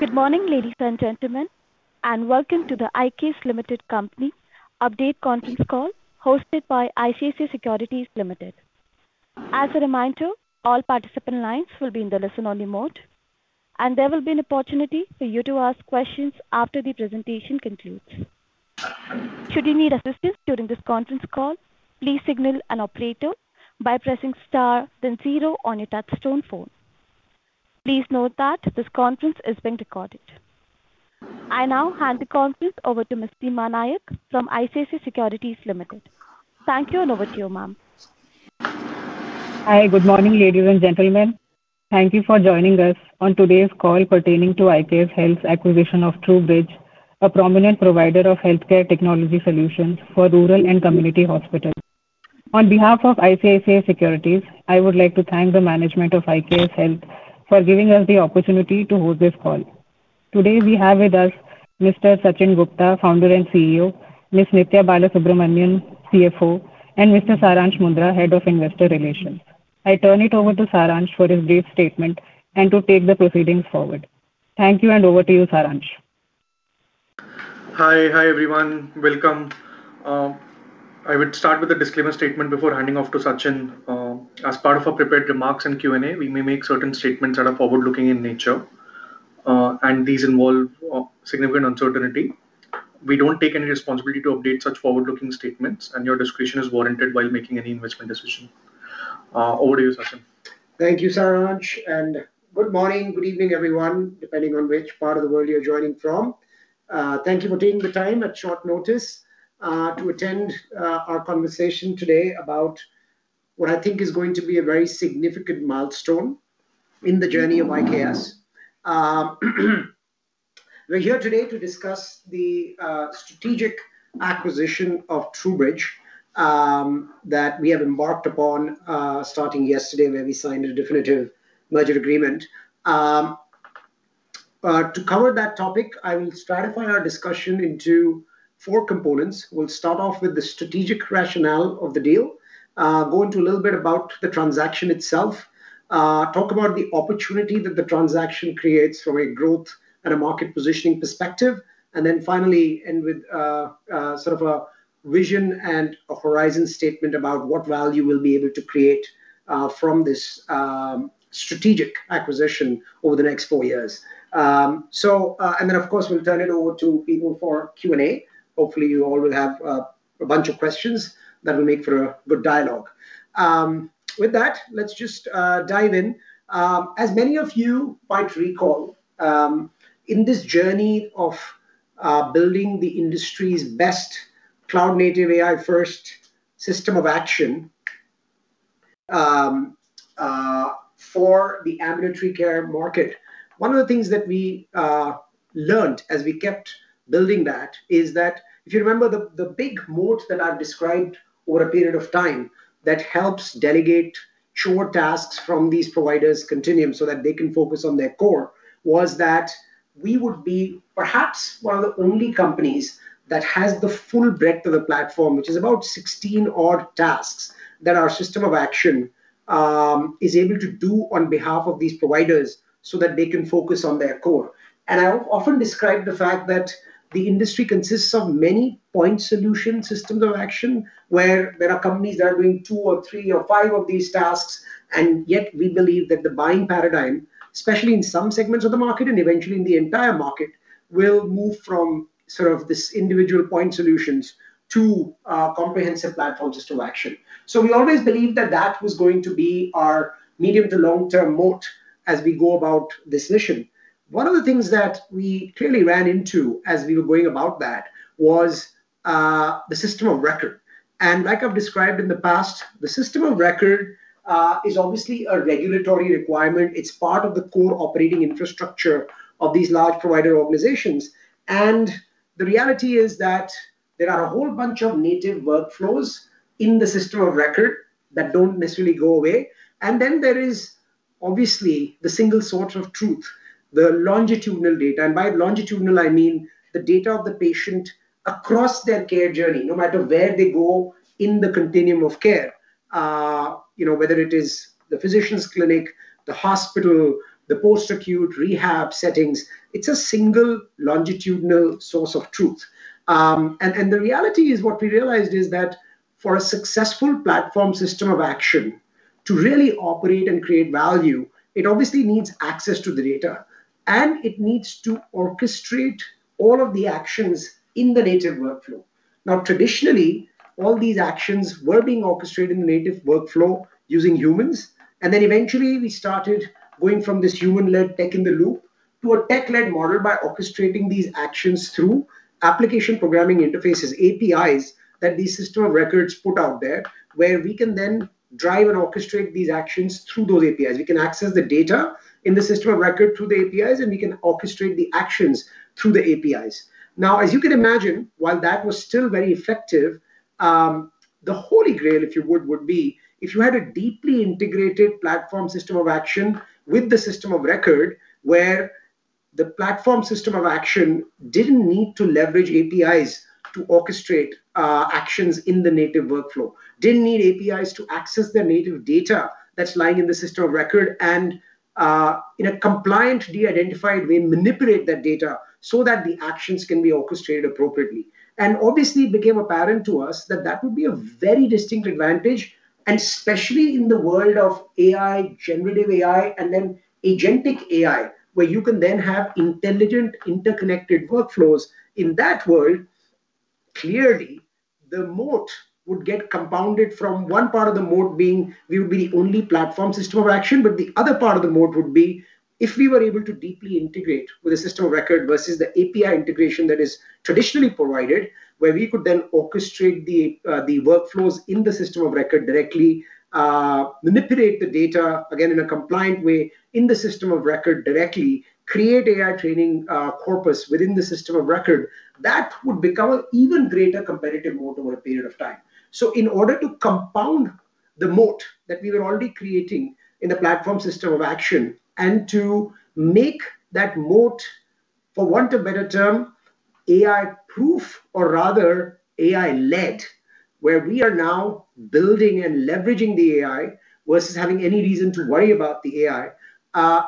Good morning, ladies and gentlemen, and welcome to the IKS Limited Company update conference call hosted by ICICI Securities Limited. As a reminder, all participant lines will be in the listen-only mode, and there will be an opportunity for you to ask questions after the presentation concludes. Should you need assistance during this conference call, please signal an operator by pressing star then zero on your touchtone phone. Please note that this conference is being recorded. I now hand the conference over to Ms. Deepa Nayak from ICICI Securities Limited. Thank you, and over to you, ma'am. Hi. Good morning, ladies and gentlemen. Thank you for joining us on today's call pertaining to IKS Health's acquisition of TruBridge, a prominent provider of healthcare technology solutions for rural and community hospitals. On behalf of ICICI Securities, I would like to thank the management of IKS Health for giving us the opportunity to host this call. Today we have with us Mr. Sachin Gupta, Founder and CEO, Ms. Nithya Balasubramanian, CFO, and Mr. Saransh Mundra, Head of Investor Relations. I turn it over to Saransh for his brief statement and to take the proceedings forward. Thank you, and over to you, Saransh. Hi. Hi, everyone. Welcome. I would start with a disclaimer statement before handing off to Sachin. As part of our prepared remarks and Q&A, we may make certain statements that are forward-looking in nature, and these involve significant uncertainty. We don't take any responsibility to update such forward-looking statements, and your discretion is warranted while making any investment decision. Over to you, Sachin. Thank you, Saransh, and good morning, good evening, everyone, depending on which part of the world you're joining from. Thank you for taking the time at short notice to attend our conversation today about what I think is going to be a very significant milestone in the journey of IKS. We're here today to discuss the strategic acquisition of TruBridge that we have embarked upon starting yesterday, where we signed a definitive merger agreement. To cover that topic, I will stratify our discussion into four components. We'll start off with the strategic rationale of the deal, go into a little bit about the transaction itself, talk about the opportunity that the transaction creates from a growth and a market positioning perspective, and then finally end with sort of a vision and a horizon statement about what value we'll be able to create from this strategic acquisition over the next four years. And then, of course, we'll turn it over to people for Q&A. Hopefully, you all will have a bunch of questions that will make for a good dialogue. With that, let's just dive in. As many of you might recall, in this journey of building the industry's best cloud-native, AI-first system of action for the ambulatory care market, one of the things that we learned as we kept building that is that if you remember the big moat that I've described over a period of time that helps delegate chore tasks from these providers continuum so that they can focus on their core, was that we would be perhaps one of the only companies that has the full breadth of the platform. Which is about 16 odd tasks that our system of action is able to do on behalf of these providers so that they can focus on their core. I often describe the fact that the industry consists of many point solution systems of action, where there are companies that are doing two or three or five of these tasks, and yet we believe that the buying paradigm, especially in some segments of the market and eventually in the entire market, will move from sort of this individual point solutions to comprehensive platform system of action. We always believed that that was going to be our medium to long-term moat as we go about this mission. One of the things that we clearly ran into as we were going about that was the system of record. Like I've described in the past, the system of record is obviously a regulatory requirement. It's part of the core operating infrastructure of these large provider organizations. The reality is that there are a whole bunch of native workflows in the system of record that don't necessarily go away. Then there is obviously the single source of truth, the longitudinal data. By longitudinal I mean the data of the patient across their care journey, no matter where they go in the continuum of care. Whether it is the physician's clinic, the hospital, the post-acute rehab settings, it's a single longitudinal source of truth. The reality is what we realized is that for a successful platform system of action to really operate and create value, it obviously needs access to the data, and it needs to orchestrate all of the actions in the native workflow. Now, traditionally, all these actions were being orchestrated in the native workflow using humans. Eventually we started going from this human-led tech in the loop to a tech-led model by orchestrating these actions through application programming interfaces, APIs, that these system of records put out there, where we can then drive and orchestrate these actions through those APIs. We can access the data in the system of record through the APIs, and we can orchestrate the actions through the APIs. Now, as you can imagine, while that was still very effective, the holy grail, if you would be if you had a deeply integrated platform system of action with the system of record where the platform system of action didn't need to leverage APIs to orchestrate actions in the native workflow. Didn't need APIs to access their native data that's lying in the system of record, and in a compliant, de-identified way, manipulate that data so that the actions can be orchestrated appropriately. Obviously, it became apparent to us that that would be a very distinct advantage, and especially in the world of AI, generative AI, and then agentic AI, where you can then have intelligent, interconnected workflows. In that world, clearly the moat would get compounded from one part of the moat being we would be the only platform system of action, but the other part of the moat would be if we were able to deeply integrate with a system of record versus the API integration that is traditionally provided, where we could then orchestrate the workflows in the system of record directly, manipulate the data, again, in a compliant way, in the system of record directly, create AI training corpus within the system of record. That would become an even greater competitive moat over a period of time. In order to compound the moat that we were already creating in the platform system of action, and to make that moat, for want of a better term, AI proof, or rather AI led, where we are now building and leveraging the AI versus having any reason to worry about the AI,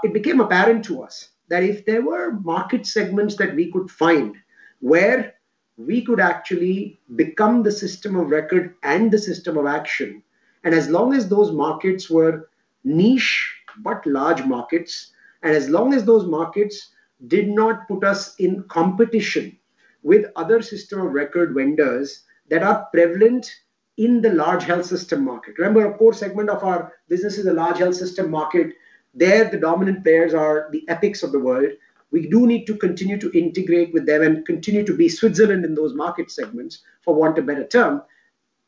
it became apparent to us that if there were market segments that we could find where we could actually become the system of record and the system of action, and as long as those markets were niche but large markets, and as long as those markets did not put us in competition with other system of record vendors that are prevalent in the large health system market. Remember, a core segment of our business is a large health system market. There, the dominant players are the Epics of the world. We do need to continue to integrate with them and continue to be Switzerland in those market segments, for want of a better term.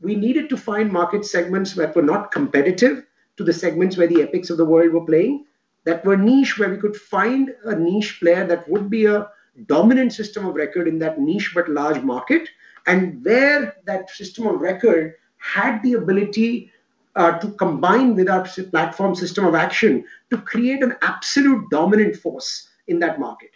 We needed to find market segments that were not competitive to the segments where the Epics of the world were playing, that were niche, where we could find a niche player that would be a dominant system of record in that niche but large market, and where that system of record had the ability to combine with our platform system of action to create an absolute dominant force in that market.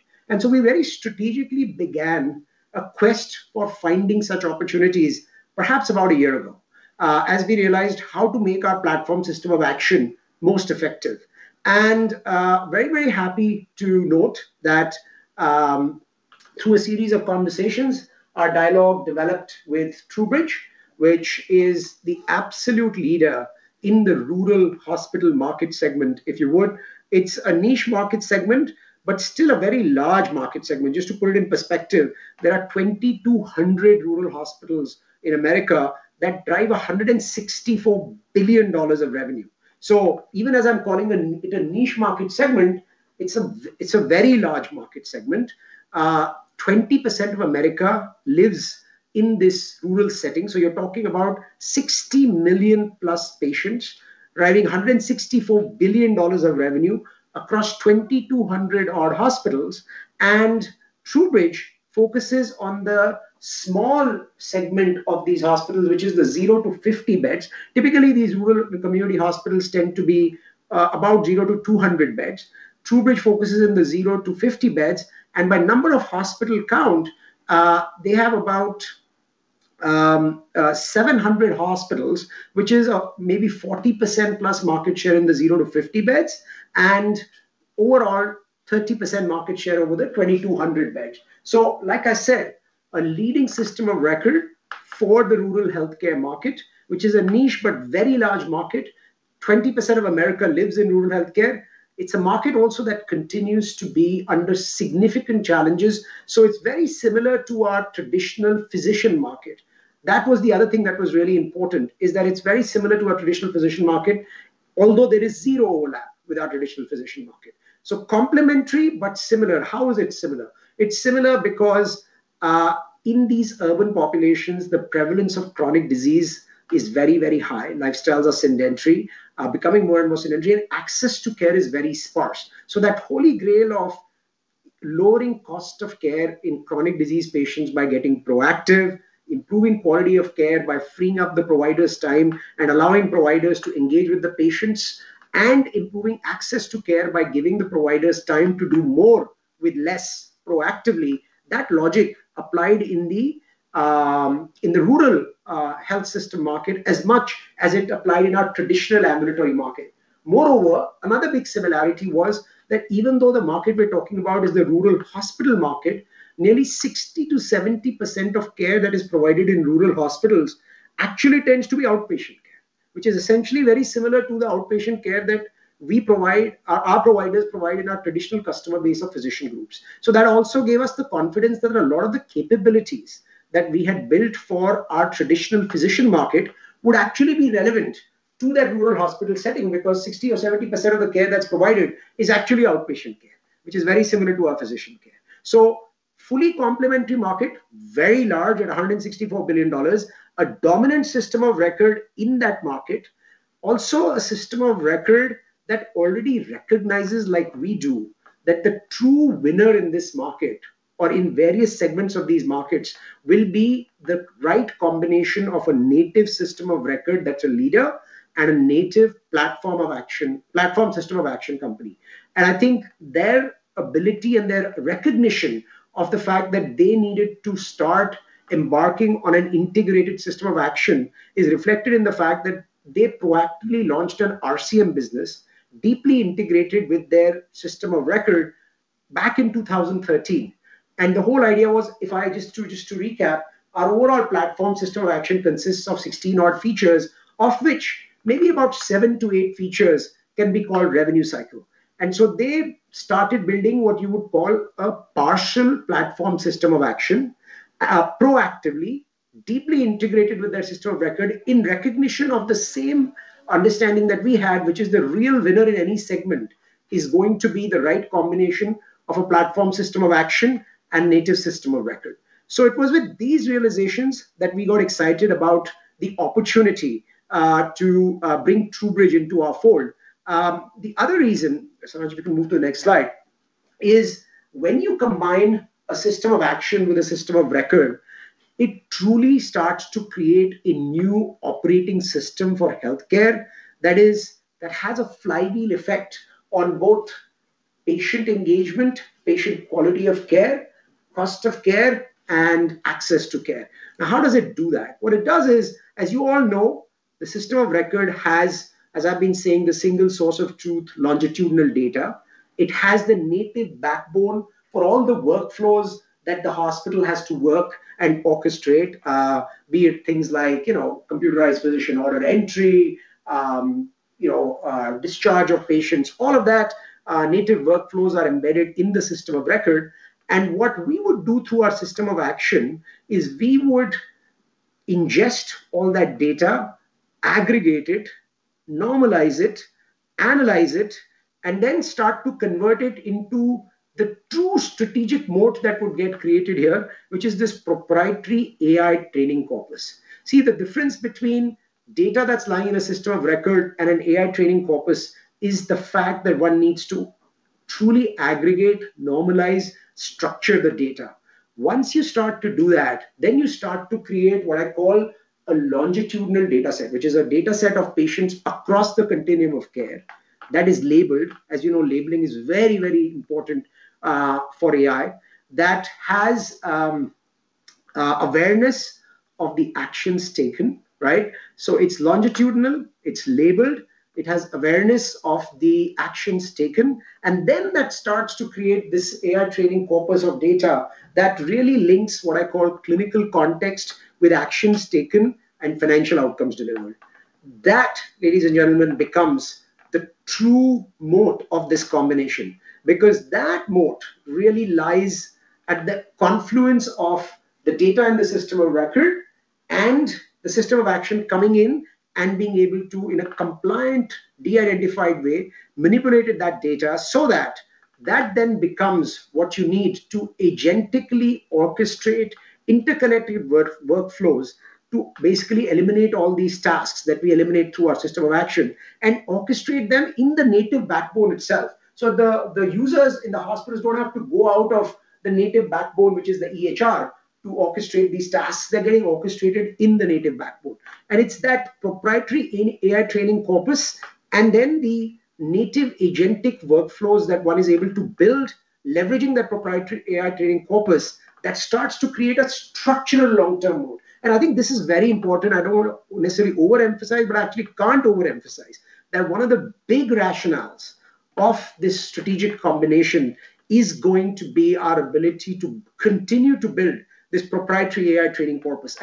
We very strategically began a quest for finding such opportunities perhaps about a year ago, as we realized how to make our platform system of action most effective. Very, very happy to note that through a series of conversations, our dialogue developed with TruBridge, which is the absolute leader in the rural hospital market segment, if you would. It's a niche market segment, but still a very large market segment. Just to put it in perspective, there are 2,200 rural hospitals in America that drive $164 billion of revenue. Even as I'm calling it a niche market segment, it's a very large market segment. 20% of America lives in this rural setting, so you're talking about 60+ million patients driving $164 billion of revenue across 2,200-odd hospitals. TruBridge focuses on the small segment of these hospitals, which is the 0-50 beds. Typically, these rural community hospitals tend to be about 0-200 beds. TruBridge focuses on the 0-50 beds, and by number of hospital count, they have about 700 hospitals, which is maybe 40%+ market share in the 0-50 beds, and overall 30% market share over the 2,200 beds. Like I said, a leading system of record for the rural healthcare market, which is a niche but very large market. 20% of America lives in rural healthcare. It's a market also that continues to be under significant challenges, so it's very similar to our traditional physician market. That was the other thing that was really important, is that it's very similar to our traditional physician market, although there is zero overlap with our traditional physician market. Complementary, but similar. How is it similar? It's similar because in these urban populations, the prevalence of chronic disease is very, very high. Lifestyles are becoming more and more sedentary, and access to care is very sparse. That holy grail of lowering cost of care in chronic disease patients by getting proactive, improving quality of care by freeing up the provider's time and allowing providers to engage with the patients, and improving access to care by giving the providers time to do more with less proactively, that logic applied in the rural health system market as much as it applied in our traditional ambulatory market. Moreover, another big similarity was that even though the market we're talking about is the rural hospital market, nearly 60%-70% of care that is provided in rural hospitals actually tends to be outpatient care, which is essentially very similar to the outpatient care that our providers provide in our traditional customer base of physician groups. That also gave us the confidence that a lot of the capabilities that we had built for our traditional physician market would actually be relevant to that rural hospital setting, because 60% or 70% of the care that's provided is actually outpatient care, which is very similar to our physician care. Fully complementary market, very large at $164 billion. A dominant system of record in that market. Also a system of record that already recognizes, like we do, that the true winner in this market or in various segments of these markets will be the right combination of a native system of record that's a leader and a native platform system of action company. I think their ability and their recognition of the fact that they needed to start embarking on an integrated system of action is reflected in the fact that they proactively launched an RCM business deeply integrated with their system of record back in 2013, and the whole idea was, just to recap, our overall platform system of action consists of 16 odd features, of which maybe about 7-8 features can be called revenue cycle. They started building what you would call a partial platform system of action, proactively, deeply integrated with their system of record in recognition of the same understanding that we had, which is the real winner in any segment is going to be the right combination of a platform system of action and native system of record. It was with these realizations that we got excited about the opportunity to bring TruBridge into our fold. The other reason, Saransh, we can move to the next slide, is when you combine a system of action with a system of record, it truly starts to create a new operating system for healthcare that has a flywheel effect on both patient engagement, patient quality of care, cost of care, and access to care. Now, how does it do that? What it does is, as you all know, the system of record has, as I've been saying, the single source of truth longitudinal data. It has the native backbone for all the workflows that the hospital has to work and orchestrate, be it things like computerized physician order entry, discharge of patients, all of that. Native workflows are embedded in the system of record. What we would do through our system of action is we would ingest all that data, aggregate it, normalize it, analyze it, and then start to convert it into the true strategic moat that would get created here, which is this proprietary AI training corpus. See, the difference between data that's lying in a system of record and an AI training corpus is the fact that one needs to truly aggregate, normalize, structure the data. Once you start to do that, then you start to create what I call a longitudinal dataset, which is a dataset of patients across the continuum of care that is labeled. As you know, labeling is very, very important for AI. That has awareness of the actions taken, right? It's longitudinal, it's labeled, it has awareness of the actions taken, and then that starts to create this AI training corpus of data that really links what I call clinical context with actions taken and financial outcomes delivered. That, ladies and gentlemen, becomes the true moat of this combination. Because that moat really lies at the confluence of the data in the system of record and the system of action coming in and being able to, in a compliant, de-identified way, manipulate that data so that that then becomes what you need to agentically orchestrate interconnected workflows to basically eliminate all these tasks that we eliminate through our system of action, and orchestrate them in the native backbone itself. The users in the hospitals don't have to go out of the native backbone, which is the EHR, to orchestrate these tasks. They're getting orchestrated in the native backbone. It's that proprietary AI training corpus and then the native agentic workflows that one is able to build leveraging that proprietary AI training corpus that starts to create a structural long-term moat. I think this is very important. I don't want to necessarily overemphasize, but I actually can't overemphasize that one of the big rationales of this strategic combination is going to be our ability to continue to build this proprietary AI training corpus.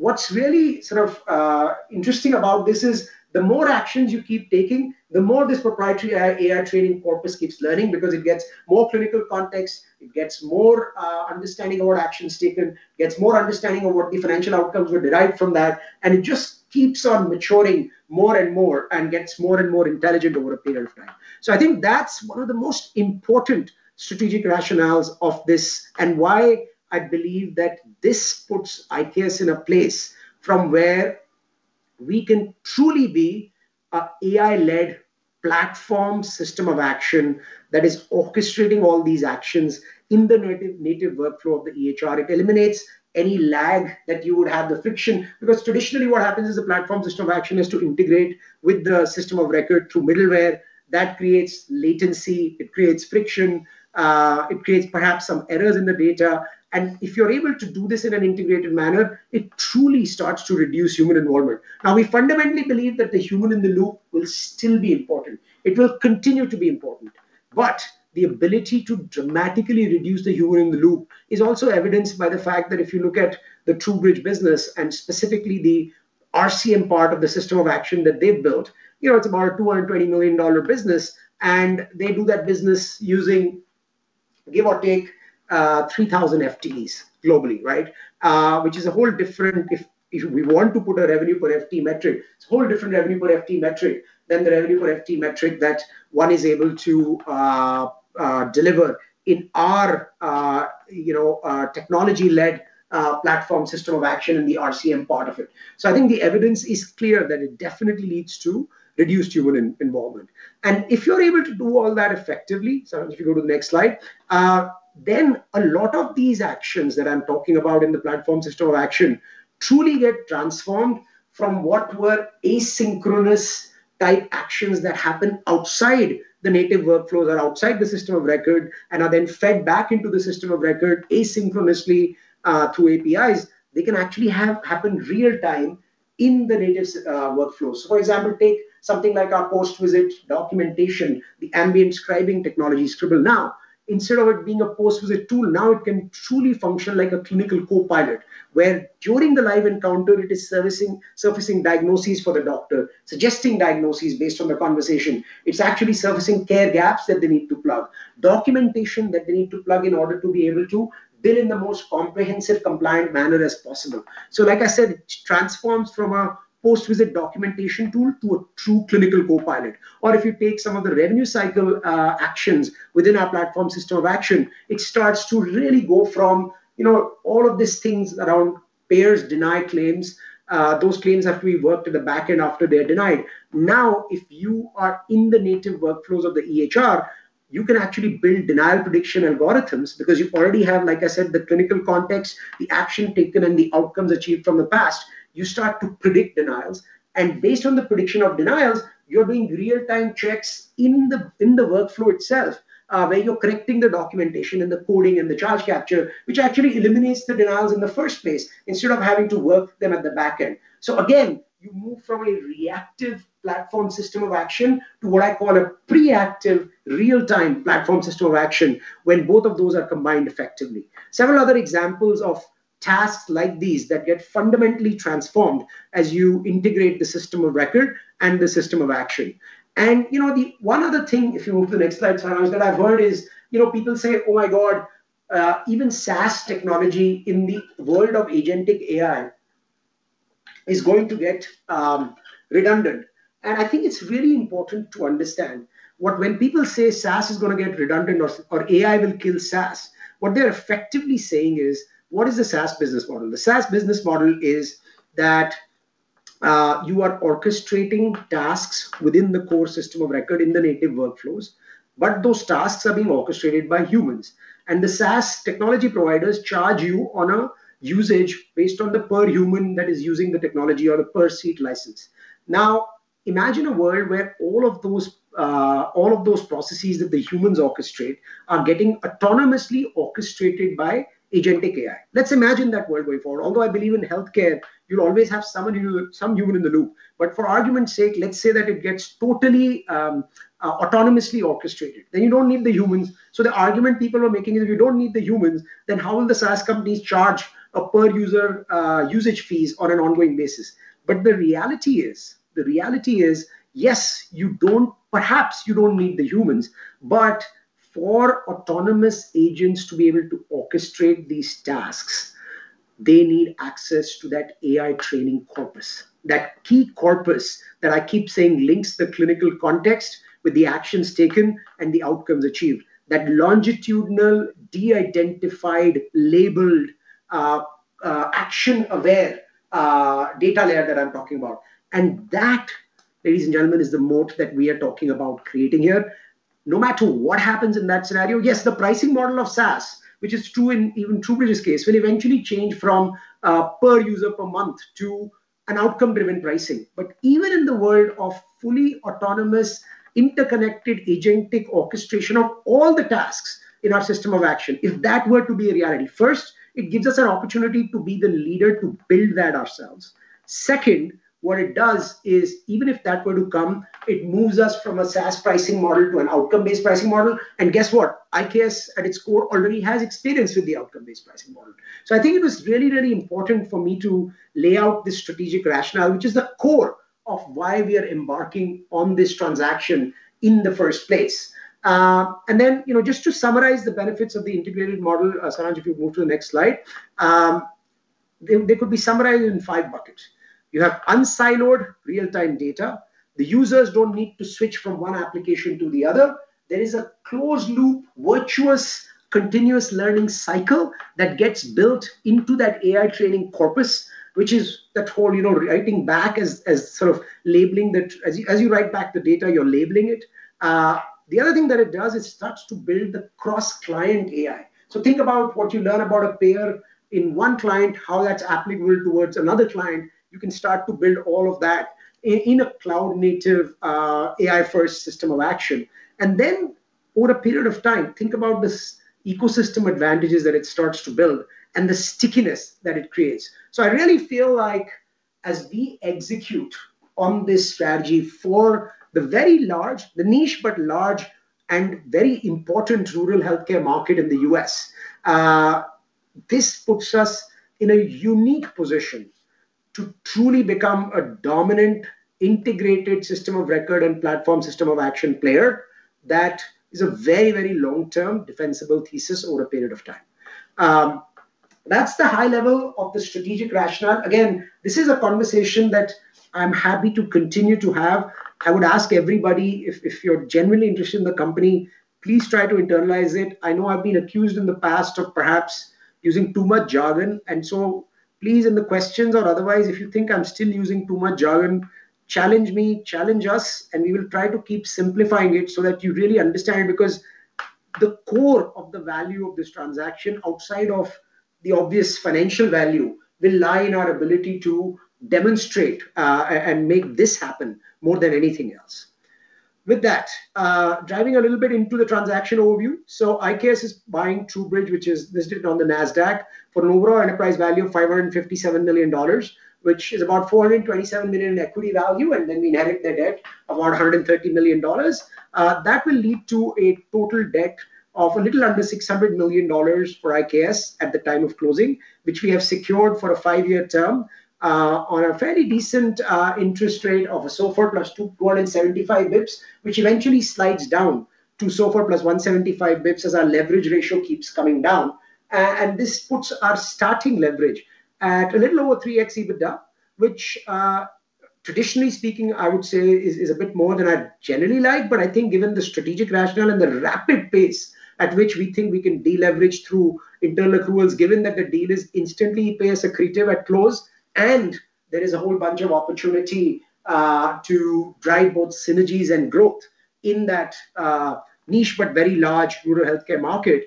What's really sort of interesting about this is the more actions you keep taking, the more this proprietary AI training corpus keeps learning because it gets more clinical context, it gets more understanding of what actions taken, gets more understanding of what different outcomes were derived from that, and it just keeps on maturing more and more and gets more and more intelligent over a period of time. I think that's one of the most important strategic rationales of this, and why I believe that this puts IKS in a place from where we can truly be a AI-led platform system of action that is orchestrating all these actions in the native workflow of the EHR. It eliminates any lag that you would have, the friction. Because traditionally what happens is a platform system of action is to integrate with the system of record through middleware. That creates latency, it creates friction, it creates perhaps some errors in the data. If you're able to do this in an integrated manner, it truly starts to reduce human involvement. Now, we fundamentally believe that the human in the loop will still be important. It will continue to be important. The ability to dramatically reduce the human in the loop is also evidenced by the fact that if you look at the TruBridge business and specifically the RCM part of the system of action that they've built, it's about a $220 million business, and they do that business using, give or take, 3,000 FTEs globally, right? Which is a whole different, if we want to put a revenue per FTE metric, it's a whole different revenue per FTE metric than the revenue per FTE metric that one is able to deliver in our technology-led platform system of action in the RCM part of it. I think the evidence is clear that it definitely leads to reduced human involvement. If you're able to do all that effectively, Saransh, if you go to the next slide, then a lot of these actions that I'm talking about in the platform system of action truly get transformed from what were asynchronous type actions that happen outside the native workflows or outside the system of record and are then fed back into the system of record asynchronously, through APIs. They can actually happen real-time in the native workflows. For example, take something like our post-visit documentation, the ambient scribing technology, Scribble. Now, instead of it being a post-visit tool, now it can truly function like a clinical co-pilot, where during the live encounter, it is surfacing diagnoses for the doctor, suggesting diagnoses based on the conversation. It's actually surfacing care gaps that they need to plug, documentation that they need to plug in order to be able to bill in the most comprehensive, compliant manner as possible. Like I said, it transforms from a post-visit documentation tool to a true clinical co-pilot. If you take some of the revenue cycle actions within our platform system of action, it starts to really go from all of these things around payers deny claims. Those claims have to be worked at the back end after they're denied. Now, if you are in the native workflows of the EHR, you can actually build denial prediction algorithms because you already have, like I said, the clinical context, the action taken, and the outcomes achieved from the past. You start to predict denials. Based on the prediction of denials, you're doing real-time checks in the workflow itself, where you're correcting the documentation and the coding and the charge capture, which actually eliminates the denials in the first place instead of having to work them at the back end. Again, you move from a reactive platform system of action to what I call a pre-active real-time platform system of action, when both of those are combined effectively. Several other examples of tasks like these that get fundamentally transformed as you integrate the system of record and the system of action. One other thing, if you move to the next slide, Saransh, that I've heard is, people say, "Oh my god. Even SaaS technology in the world of agentic AI is going to get redundant." I think it's really important to understand, when people say SaaS is going to get redundant or AI will kill SaaS, what they're effectively saying is, what is the SaaS business model? The SaaS business model is that you are orchestrating tasks within the core system of record in the native workflows, but those tasks are being orchestrated by humans. The SaaS technology providers charge you on a usage based on the per human that is using the technology on a per seat license. Now, imagine a world where all of those processes that the humans orchestrate are getting autonomously orchestrated by agentic AI. Let's imagine that world moving forward, although I believe in healthcare, you'll always have some human in the loop. For argument's sake, let's say that it gets totally autonomously orchestrated. You don't need the humans. The argument people are making is if you don't need the humans, then how will the SaaS companies charge a per user usage fees on an ongoing basis? The reality is, yes, perhaps you don't need the humans, but for autonomous agents to be able to orchestrate these tasks, they need access to that AI training corpus. That key corpus that I keep saying links the clinical context with the actions taken and the outcomes achieved. That longitudinal, de-identified, labeled, action-aware data layer that I'm talking about. That, ladies and gentlemen, is the moat that we are talking about creating here. No matter what happens in that scenario, yes, the pricing model of SaaS, which is true in even TruBridge's case, will eventually change from a per user per month to an outcome-driven pricing. Even in the world of fully autonomous, interconnected agentic orchestration of all the tasks in our system of action, if that were to be a reality, first, it gives us an opportunity to be the leader to build that ourselves. Second, what it does is even if that were to come, it moves us from a SaaS pricing model to an outcome-based pricing model. Guess what? IKS, at its core, already has experience with the outcome-based pricing model. I think it was really, really important for me to lay out this strategic rationale, which is the core of why we are embarking on this transaction in the first place. Just to summarize the benefits of the integrated model, Saransh, if you move to the next slide. They could be summarized in five buckets. You have unsiloed real-time data. The users don't need to switch from one application to the other. There is a closed loop, virtuous, continuous learning cycle that gets built into that AI training corpus, which is that whole writing back as sort of labeling, as you write back the data, you're labeling it. The other thing that it does, it starts to build the cross-client AI. So think about what you learn about a payer in one client, how that's applicable towards another client. You can start to build all of that in a cloud-native, AI-first system of action. Over a period of time, think about this ecosystem advantages that it starts to build and the stickiness that it creates. I really feel like as we execute on this strategy for the niche but large and very important rural healthcare market in the U.S., this puts us in a unique position to truly become a dominant integrated system of record and platform system of action player. That is a very, very long-term defensible thesis over a period of time. That's the high level of the strategic rationale. Again, this is a conversation that I'm happy to continue to have. I would ask everybody if you're genuinely interested in the company, please try to internalize it. I know I've been accused in the past of perhaps using too much jargon. Please, in the questions or otherwise, if you think I'm still using too much jargon, challenge me, challenge us, and we will try to keep simplifying it so that you really understand, because the core of the value of this transaction, outside of the obvious financial value, will lie in our ability to demonstrate and make this happen more than anything else. With that, diving a little bit into the transaction overview. IKS is buying TruBridge, which is listed on the NASDAQ for an overall enterprise value of $557 million, which is about $427 million in equity value. Then we net it the debt of $130 million. That will lead to a total debt of a little under $600 million for IKS at the time of closing, which we have secured for a five-year term on a fairly decent interest rate of a SOFR plus 275 basis points, which eventually slides down to SOFR plus 175 basis points as our leverage ratio keeps coming down. This puts our starting leverage at a little over 3x EBITDA, which, traditionally speaking, I would say is a bit more than I'd generally like. I think given the strategic rationale and the rapid pace at which we think we can deleverage through internal accruals, given that the deal is instantly EPS accretive at close, and there is a whole bunch of opportunity to drive both synergies and growth in that niche but very large rural healthcare market.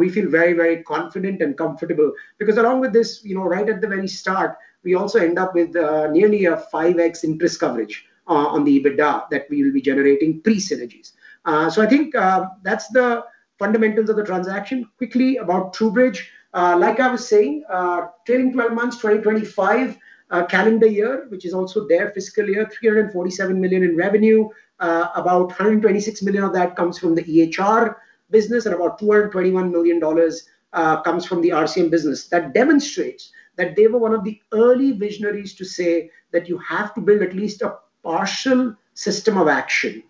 We feel very, very confident and comfortable. Because along with this, right at the very start, we also end up with nearly a 5x interest coverage on the EBITDA that we will be generating pre-synergies. I think that's the fundamentals of the transaction. Quickly, about TruBridge. Like I was saying, trailing 12 months 2025 calendar year, which is also their fiscal year, $347 million in revenue. About $126 million of that comes from the EHR business and about $221 million comes from the RCM business. That demonstrates that they were one of the early visionaries to say that you have to build at least a partial system of action,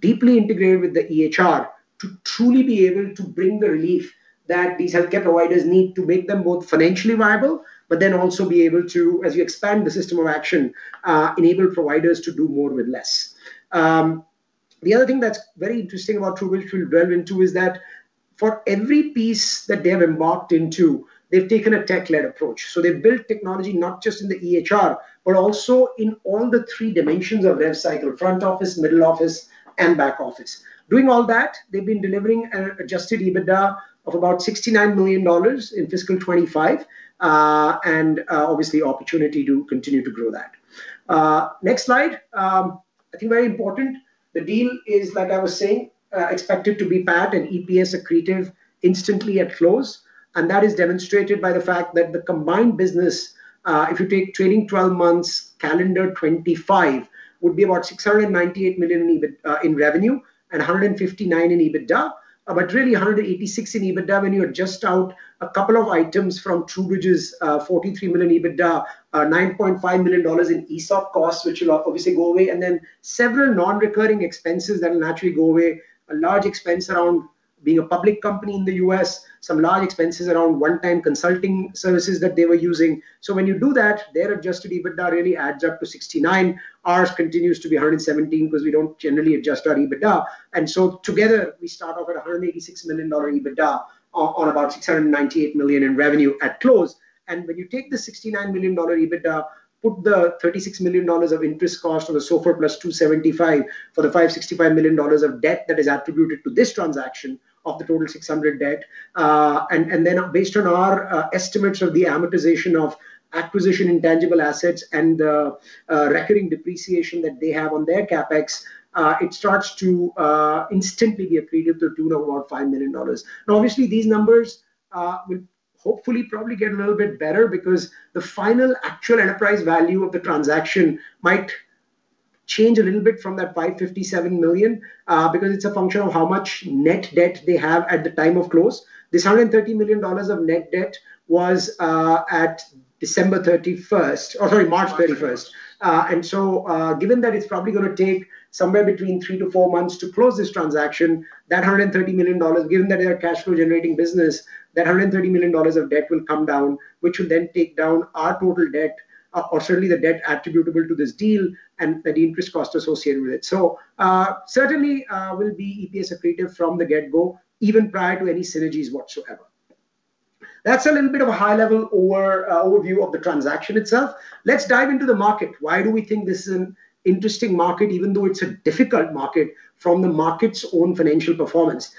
deeply integrated with the EHR to truly be able to bring the relief that these healthcare providers need to make them both financially viable. But then also be able to, as you expand the system of action, enable providers to do more with less. The other thing that's very important about TruBridge we'll delve into is that for every piece that they have embarked into, they've taken a tech-led approach. They've built technology not just in the EHR, but also in all the three dimensions of rev cycle: front office, middle office, and back office. Doing all that, they've been delivering an adjusted EBITDA of about $69 million in fiscal 2025, and obviously opportunity to continue to grow that. Next slide. I think very important. The deal is, like I was saying, expected to be PAT and EPS accretive instantly at close. That is demonstrated by the fact that the combined business, if you take trailing 12 months calendar 2025, would be about $698 million in revenue and $159 million in EBITDA. Really, $186 million in EBITDA when you adjust out a couple of items from TruBridge's $43 million EBITDA, $9.5 million in ESOP costs, which will obviously go away. Several non-recurring expenses that will naturally go away. A large expense around being a public company in the U.S., some large expenses around one-time consulting services that they were using. When you do that, their adjusted EBITDA really adds up to $69 million. Ours continues to be $117 million because we don't generally adjust our EBITDA. Together we start off at $186 million EBITDA on about $698 million in revenue at close. When you take the $69 million EBITDA, put the $36 million of interest cost on the SOFR plus 275 for the $565 million of debt that is attributed to this transaction of the total $600 million debt. Based on our estimates of the amortization of acquisition intangible assets and the recurring depreciation that they have on their CapEx, it starts to instantly be accretive to the tune of about $5 million. Now obviously these numbers would hopefully probably get a little bit better because the final actual enterprise value of the transaction might change a little bit from that $557 million because it's a function of how much net debt they have at the time of close. This $130 million of net debt was at March 31st. Given that it's probably going to take somewhere between 3-4 months to close this transaction, that $130 million, given that they're a cash flow generating business, that $130 million of debt will come down, which will then take down our total debt or certainly the debt attributable to this deal and the interest cost associated with it. Certainly we'll be EPS accretive from the get-go, even prior to any synergies whatsoever. That's a little bit of a high-level overview of the transaction itself. Let's dive into the market. Why do we think this is an interesting market even though it's a difficult market from the market's own financial performance?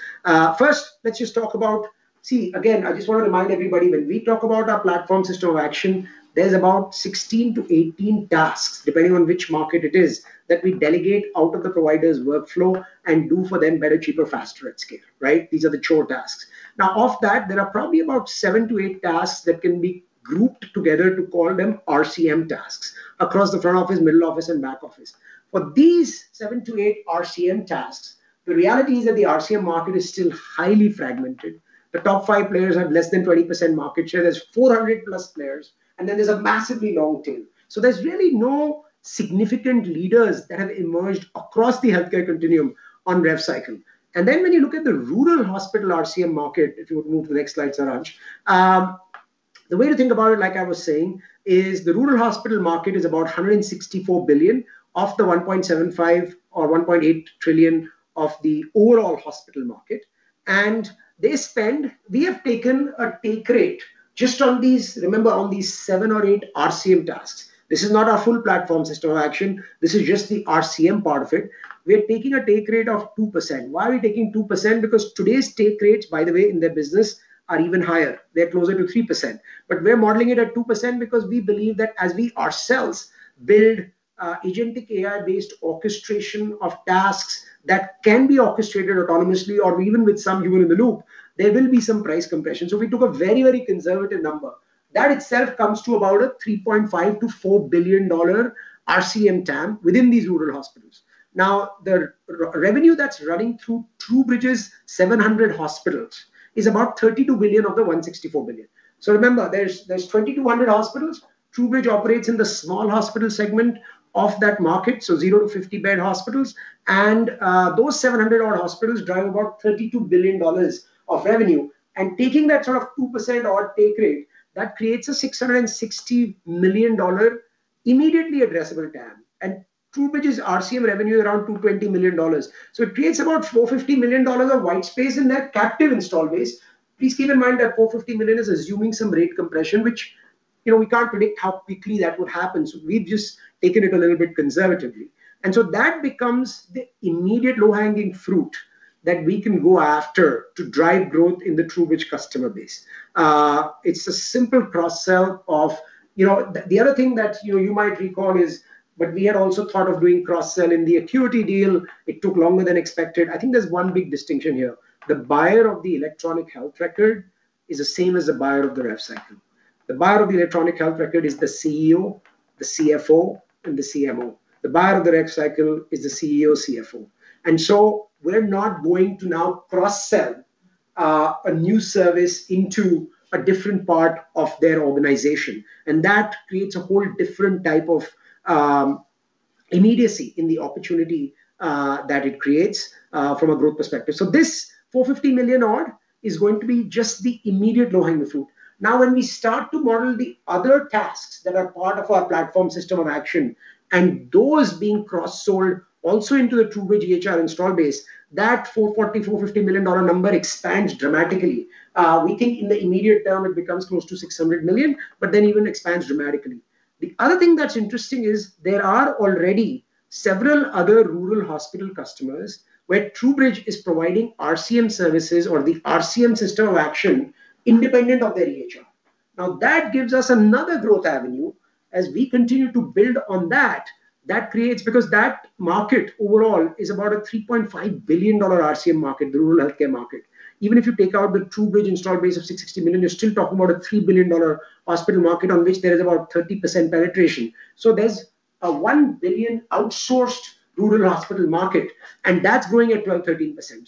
See, again, I just want to remind everybody, when we talk about our platform System of Action, there's about 16-18 tasks, depending on which market it is, that we delegate out of the provider's workflow and do for them better, cheaper, faster at scale, right? These are the chore tasks. Now of that, there are probably about 7-8 tasks that can be grouped together to call them RCM tasks across the front office, middle office, and back office. For these 7-8 RCM tasks, the reality is that the RCM market is still highly fragmented. The top five players have less than 20% market share. There's 400+ players, and then there's a massively long tail. There's really no significant leaders that have emerged across the healthcare continuum on rev cycle. When you look at the rural hospital RCM market, if you would move to the next slide, Saransh. The way to think about it, like I was saying, is the rural hospital market is about $164 billion of the $1.75 or $1.8 trillion of the overall hospital market. They spend. We have taken a take rate just on these, remember, on these seven or eight RCM tasks. This is not our full platform System of Action. This is just the RCM part of it. We're taking a take rate of 2%. Why are we taking 2%? Because today's take rates, by the way, in their business are even higher. They're closer to 3%. We're modeling it at 2% because we believe that as we ourselves build agentic AI-based orchestration of tasks that can be orchestrated autonomously or even with some human in the loop, there will be some price compression. We took a very, very conservative number. That itself comes to about a $3.5 billion-$4 billion RCM TAM within these rural hospitals. Now, the revenue that's running through TruBridge's 700 hospitals is about $32 billion of the $164 billion. Remember, there's 2,200 hospitals. TruBridge operates in the small hospital segment of that market, so 0-50-bed hospitals. Those 700-odd hospitals drive about $32 billion of revenue. Taking that sort of 2% odd take rate, that creates a $660 million immediately addressable TAM. TruBridge's RCM revenue around $220 million. It creates about $450 million of white space in that captive install base. Please keep in mind that $450 million is assuming some rate compression, which we can't predict how quickly that would happen. We've just taken it a little bit conservatively. That becomes the immediate low-hanging fruit that we can go after to drive growth in the TruBridge customer base. It's a simple cross-sell. The other thing that you might recall is what we had also thought of doing cross-sell in the AQuity deal. It took longer than expected. I think there's one big distinction here. The buyer of the electronic health record is the same as the buyer of the rev cycle. The buyer of the electronic health record is the CEO, the CFO, and the CMO. The buyer of the rev cycle is the CEO, CFO. We're not going to now cross-sell a new service into a different part of their organization. That creates a whole different type of immediacy in the opportunity that it creates from a growth perspective. This $450 million odd is going to be just the immediate low-hanging fruit. Now, when we start to model the other tasks that are part of our platform system of action, and those being cross-sold also into the TruBridge EHR install base, that $440 million-$450 million number expands dramatically. We think in the immediate term, it becomes close to $600 million, but then even expands dramatically. The other thing that's interesting is there are already several other rural hospital customers where TruBridge is providing RCM services or the RCM system of action independent of their EHR. Now, that gives us another growth avenue as we continue to build on that. Because that market overall is about a $3.5 billion RCM market, the rural healthcare market. Even if you take out the TruBridge install base of $660 million, you're still talking about a $3 billion hospital market on which there is about 30% penetration. There's a $1 billion outsourced rural hospital market, and that's growing at 12%-13%.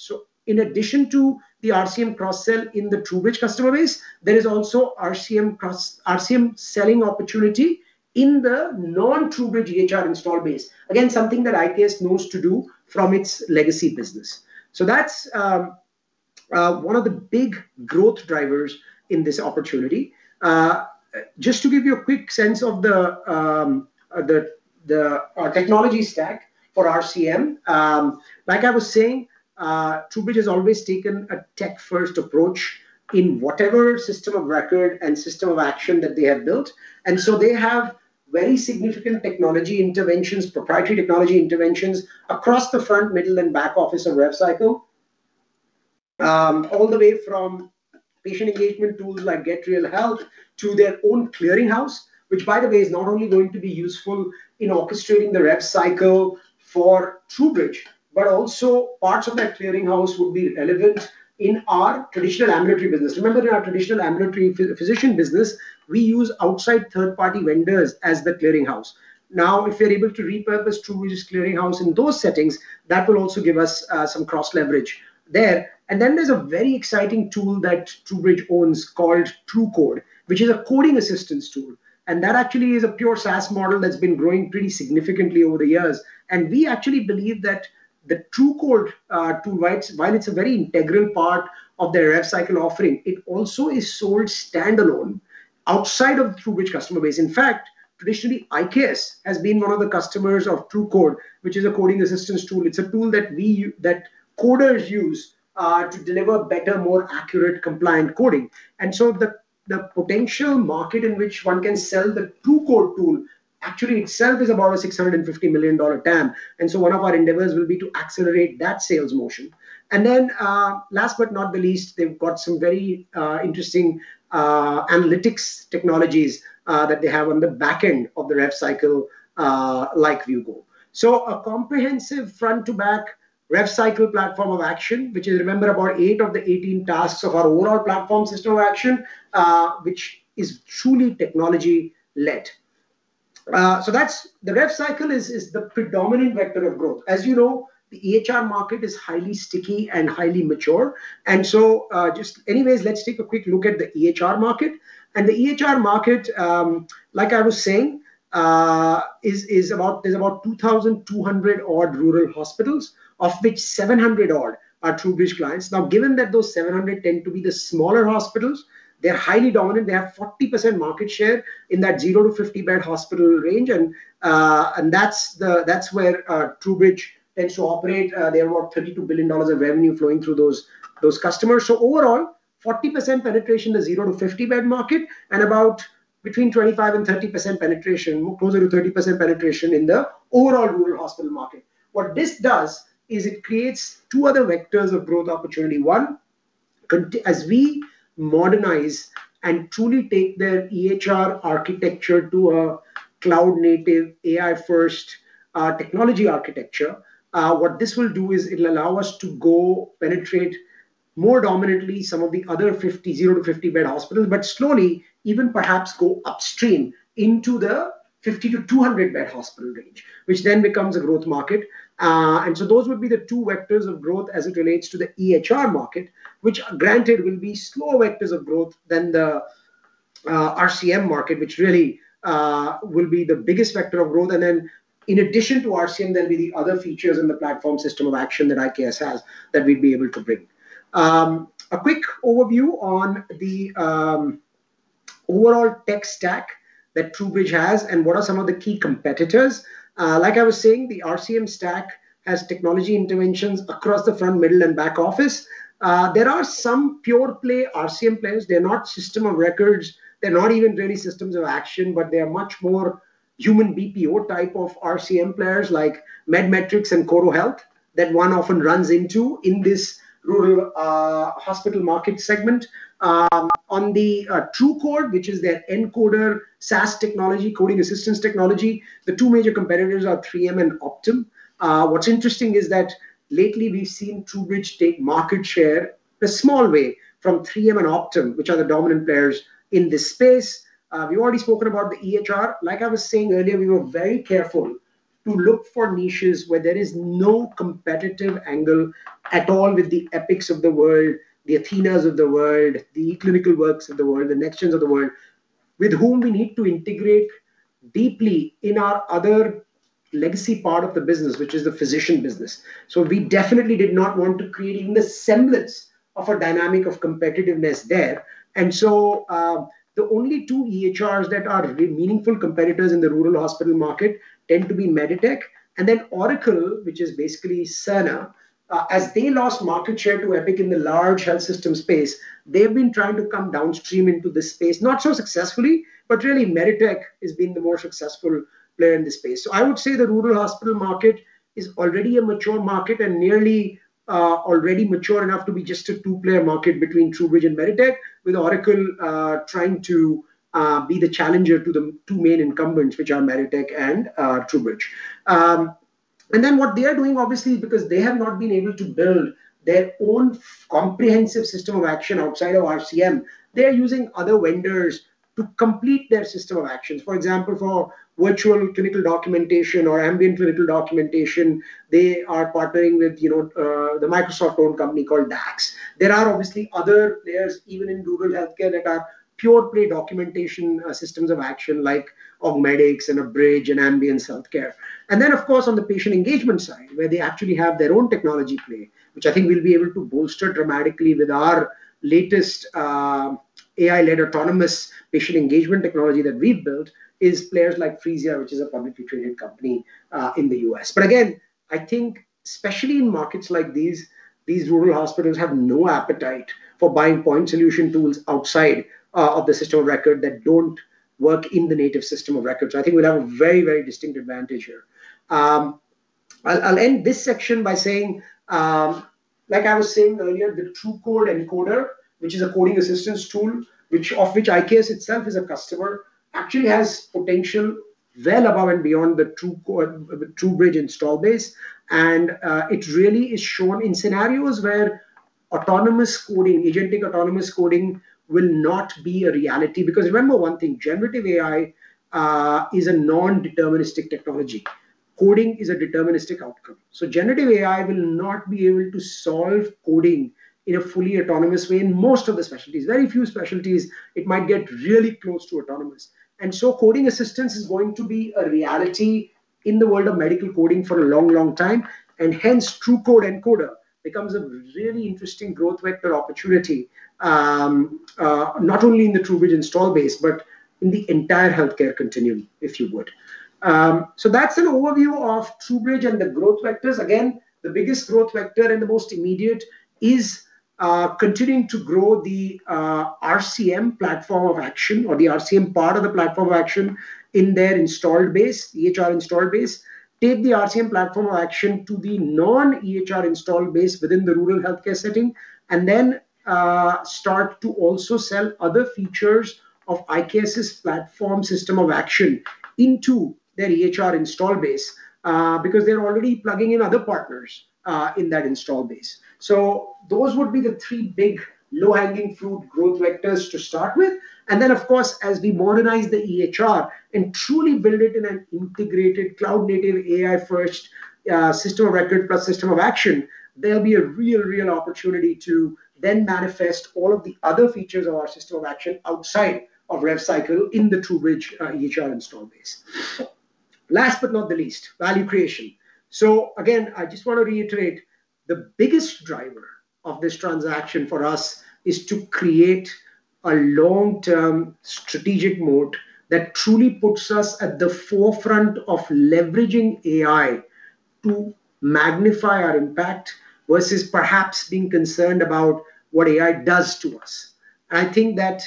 In addition to the RCM cross-sell in the TruBridge customer base, there is also RCM selling opportunity in the non-TruBridge EHR install base. Again, something that IKS knows to do from its legacy business. That's one of the big growth drivers in this opportunity. Just to give you a quick sense of the technology stack for RCM. Like I was saying, TruBridge has always taken a tech-first approach in whatever system of record and system of action that they have built. They have very significant technology interventions, proprietary technology interventions across the front, middle, and back office of rev cycle. All the way from patient engagement tools like Get Real Help to their own clearing house, which by the way is not only going to be useful in orchestrating the rev cycle for TruBridge, but also parts of that clearing house would be relevant in our traditional ambulatory business. Remember, in our traditional ambulatory physician business, we use outside third-party vendors as the clearing house. Now, if we're able to repurpose TruBridge's clearing house in those settings, that will also give us some cross-leverage there. There's a very exciting tool that TruBridge owns called TruCode, which is a coding assistance tool. That actually is a pure SaaS model that's been growing pretty significantly over the years. We actually believe that the TruCode tool, while it's a very integral part of their rev cycle offering, it also is sold standalone outside of the TruBridge customer base. In fact, traditionally, IKS has been one of the customers of TruCode, which is a coding assistance tool. It's a tool that coders use to deliver better, more accurate compliant coding. The potential market in which one can sell the TruCode tool actually itself is about a $650 million TAM. One of our endeavors will be to accelerate that sales motion. Last but not the least, they've got some very interesting analytics technologies that they have on the back end of the rev cycle, like Viewgol. A comprehensive front to back rev cycle platform of action, which is, remember, about eight of the 18 tasks of our overall platform system of action, which is truly technology-led. The rev cycle is the predominant vector of growth. As you know, the EHR market is highly sticky and highly mature. Just anyways, let's take a quick look at the EHR market. The EHR market, like I was saying, is about 2,200-odd rural hospitals, of which 700-odd are TruBridge clients. Now, given that those 700 tend to be the smaller hospitals, they're highly dominant. They have 40% market share in that 0-50-bed hospital range, and that's where TruBridge tends to operate. They have about $32 billion of revenue flowing through those customers. Overall, 40% penetration in the 0-50-bed market, and about 25%-30% penetration, closer to 30% penetration in the overall rural hospital market. What this does is it creates two other vectors of growth opportunity. One, as we modernize and truly take their EHR architecture to a cloud-native, AI-first technology architecture, what this will do is it'll allow us to go penetrate more dominantly some of the other 0-50-bed hospitals, but slowly even perhaps go upstream into the 50-200-bed hospital range, which then becomes a growth market. Those would be the two vectors of growth as it relates to the EHR market, which granted will be slower vectors of growth than the RCM market, which really will be the biggest vector of growth. In addition to RCM, there'll be the other features in the platform system of action that IKS has that we'd be able to bring. A quick overview on the overall tech stack that TruBridge has and what are some of the key competitors. Like I was saying, the RCM stack has technology interventions across the front, middle, and back office. There are some pure play RCM players. They're not system of records, they're not even really systems of action, but they are much more human BPO type of RCM players like Med-Metrix and Coronis Health that one often runs into in this rural hospital market segment. On the TruCode, which is their encoder SaaS technology, coding assistance technology, the two major competitors are 3M and Optum. What's interesting is that lately we've seen TruBridge take market share a small way from 3M and Optum, which are the dominant players in this space. We've already spoken about the EHR. Like I was saying earlier, we were very careful to look for niches where there is no competitive angle at all with the Epics of the world, the Athenas of the world, the eClinicalWorks of the world, the NextGen of the world, with whom we need to integrate deeply in our other legacy part of the business, which is the physician business. We definitely did not want to create even a semblance of a dynamic of competitiveness there. The only two EHRs that are really meaningful competitors in the rural hospital market tend to be MEDITECH and then Oracle, which is basically Cerner. As they lost market share to Epic in the large health system space, they've been trying to come downstream into this space, not so successfully, but really MEDITECH has been the more successful player in this space. I would say the rural hospital market is already a mature market and nearly already mature enough to be just a two-player market between TruBridge and MEDITECH, with Oracle trying to be the challenger to the two main incumbents, which are MEDITECH and TruBridge. What they are doing obviously is because they have not been able to build their own comprehensive system of action outside of RCM, they're using other vendors to complete their system of actions. For example, for virtual clinical documentation or ambient clinical documentation, they are partnering with the Microsoft-owned company called DAX. There are obviously other players even in rural healthcare that are pure play documentation systems of action like Augmedix and Abridge and Ambience Healthcare. Then of course, on the patient engagement side, where they actually have their own technology play, which I think we'll be able to bolster dramatically with our latest AI-led autonomous patient engagement technology that we've built. It's players like Phreesia, which is a publicly traded company in the U.S. Again, I think especially in markets like these rural hospitals have no appetite for buying point solution tools outside of the system of record that don't work in the native system of record. I think we'll have a very, very distinct advantage here. I'll end this section by saying, like I was saying earlier, the TruCode Encoder, which is a coding assistance tool, of which IKS itself is a customer, actually has potential well above and beyond the TruBridge install base, and it really is shown in scenarios where agentic autonomous coding will not be a reality because remember one thing, generative AI is a non-deterministic technology. Coding is a deterministic outcome. So generative AI will not be able to solve coding in a fully autonomous way in most of the specialties. Very few specialties, it might get really close to autonomous. So coding assistance is going to be a reality in the world of medical coding for a long, long time, and hence TruCode Encoder becomes a really interesting growth vector opportunity, not only in the TruBridge install base, but in the entire healthcare continuum, if you would. That's an overview of TruBridge and the growth vectors. Again, the biggest growth vector and the most immediate is continuing to grow the RCM platform of action or the RCM part of the platform of action in their EHR install base, take the RCM platform of action to the non-EHR install base within the rural healthcare setting, and then start to also sell other features of IKS's platform system of action into their EHR install base, because they're already plugging in other partners in that install base. Those would be the three big low-hanging fruit growth vectors to start with. Then, of course, as we modernize the EHR and truly build it in an integrated cloud-native, AI-first system of record plus system of action, there'll be a real opportunity to then manifest all of the other features of our system of action outside of rev cycle in the TruBridge EHR install base. Last but not the least, value creation. Again, I just want to reiterate, the biggest driver of this transaction for us is to create a long-term strategic moat that truly puts us at the forefront of leveraging AI to magnify our impact versus perhaps being concerned about what AI does to us. I think that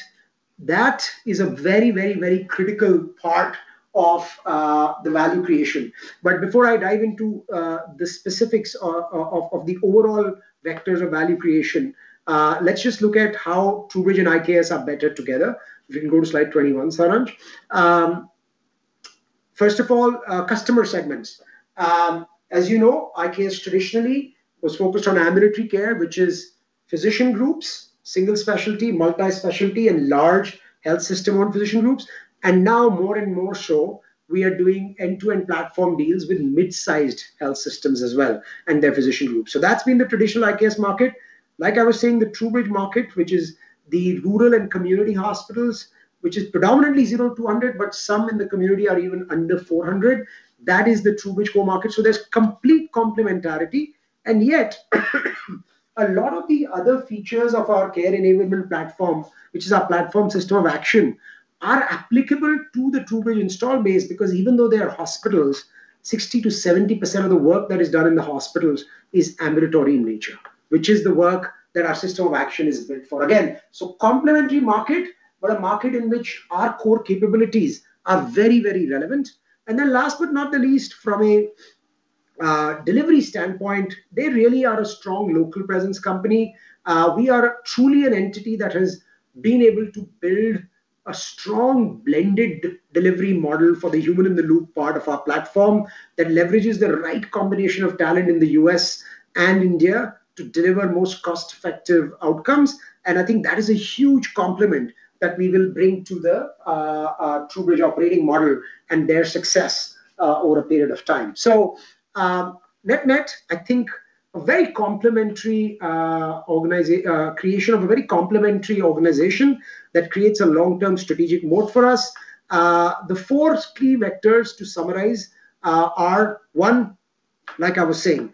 is a very, very critical part of the value creation. Before I dive into the specifics of the overall vectors of value creation, let's just look at how TruBridge and IKS are better together. If we can go to slide 21, Saransh. First of all, customer segments. As you know, IKS traditionally was focused on ambulatory care, which is physician groups, single specialty, multi-specialty, and large health system on physician groups. Now more and more so, we are doing end-to-end platform deals with mid-sized health systems as well, and their physician groups. That's been the traditional IKS market. Like I was saying, the TruBridge market, which is the rural and community hospitals, which is predominantly 0-100, but some in the community are even under 400. That is the TruBridge core market. There's complete complementarity and yet, a lot of the other features of our care enablement platform, which is our platform system of action, are applicable to the TruBridge install base because even though they are hospitals, 60%-70% of the work that is done in the hospitals is ambulatory in nature, which is the work that our system of action is built for. Again, so complementary market, but a market in which our core capabilities are very, very relevant. Last but not the least, from a delivery standpoint, they really are a strong local presence company. We are truly an entity that has been able to build a strong blended delivery model for the human in the loop part of our platform that leverages the right combination of talent in the U.S. and India to deliver most cost-effective outcomes. I think that is a huge complement that we will bring to the TruBridge operating model and their success over a period of time. Net-net, I think a creation of a very complementary organization that creates a long-term strategic moat for us. The four key vectors to summarize are one, like I was saying,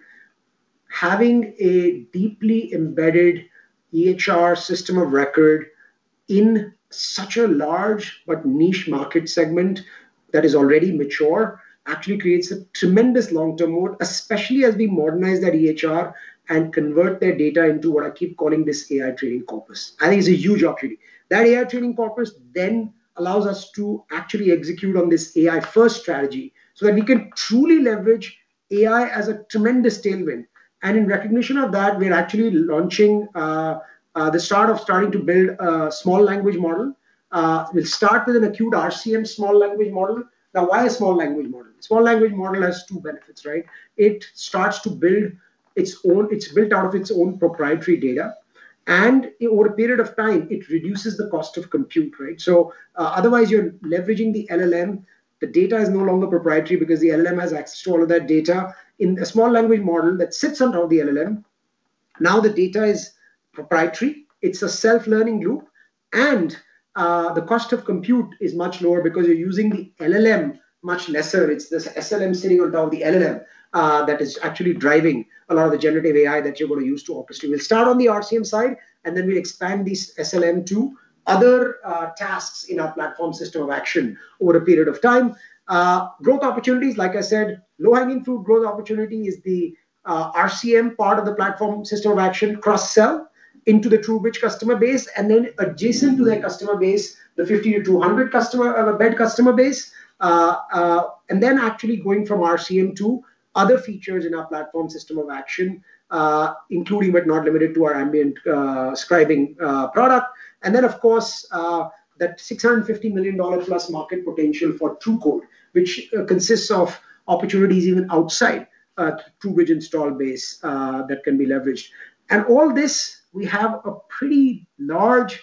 having a deeply embedded EHR system of record in such a large but niche market segment that is already mature, actually creates a tremendous long-term moat, especially as we modernize that EHR and convert their data into what I keep calling this AI training corpus. I think it's a huge opportunity. That AI training corpus then allows us to actually execute on this AI first strategy so that we can truly leverage AI as a tremendous tailwind. In recognition of that, we're actually launching the start of starting to build a small language model. We'll start with an acute RCM small language model. Now, why a small language model? Small language model has two benefits, right? It's built out of its own proprietary data, and over a period of time, it reduces the cost of compute, right? So otherwise you're leveraging the LLM. The data is no longer proprietary because the LLM has access to all of that data. In a small language model that sits on top of the LLM, now the data is proprietary. It's a self-learning loop, and the cost of compute is much lower because you're using the LLM much lesser. It's the SLM sitting on top of the LLM that is actually driving a lot of the generative AI that you're going to use to orchestrate. We'll start on the RCM side, and then we'll expand this SLM to other tasks in our platform system of action over a period of time. Growth opportunities, like I said, low-hanging fruit growth opportunity is the RCM part of the platform system of action cross-sell into the TruBridge customer base, and then adjacent to their customer base, the 50-200-bed customer base. Actually going from RCM to other features in our platform system of action, including, but not limited to our ambient scribing product. Of course, that $650+ million market potential for TruCode, which consists of opportunities even outside TruBridge installed base that can be leveraged. All this, we have a pretty large,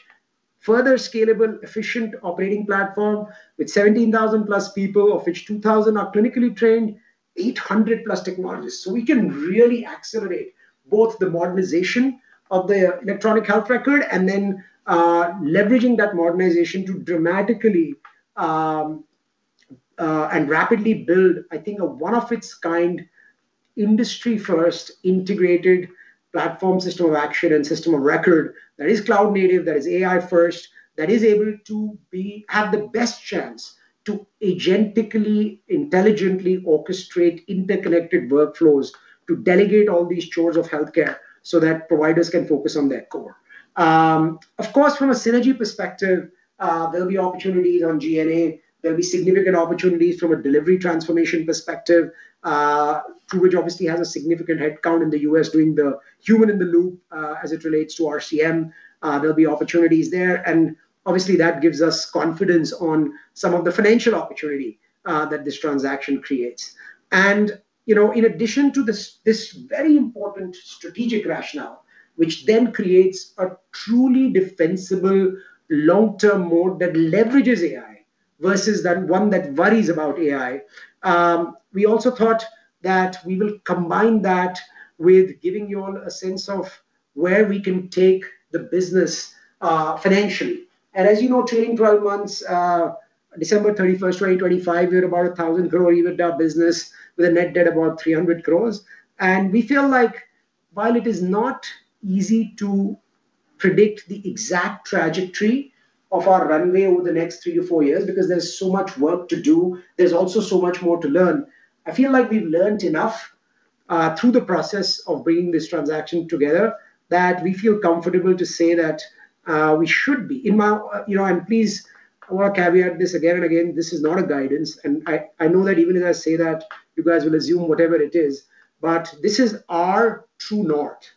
further scalable, efficient operating platform with 17,000+ people, of which 2,000 are clinically trained, 800+ technologists. We can really accelerate both the modernization of their electronic health record and then leveraging that modernization to dramatically and rapidly build, I think, a one of a kind, industry-first integrated platform system of action and system of record that is cloud-native, that is AI-first, that is able to have the best chance to agentically, intelligently orchestrate interconnected workflows to delegate all these chores of healthcare so that providers can focus on their core. Of course, from a synergy perspective, there'll be opportunities on G&A. There'll be significant opportunities from a delivery transformation perspective. TruBridge obviously has a significant headcount in the U.S. doing the human in the loop as it relates to RCM. There'll be opportunities there, and obviously that gives us confidence on some of the financial opportunity that this transaction creates. In addition to this very important strategic rationale, which then creates a truly defensible long-term moat that leverages AI versus one that worries about AI, we also thought that we will combine that with giving you all a sense of where we can take the business financially. As you know, trailing 12 months, December 31st, 2025, we had about 10% growth even with our business with a net debt about 300 crore. We feel like while it is not easy to predict the exact trajectory of our runway over the next 3-4 years because there's so much work to do, there's also so much more to learn. I feel like we've learned enough through the process of bringing this transaction together that we feel comfortable to say that we should be. Please, I want to caveat this again and again, this is not a guidance, and I know that even as I say that, you guys will assume whatever it is. This is our true north,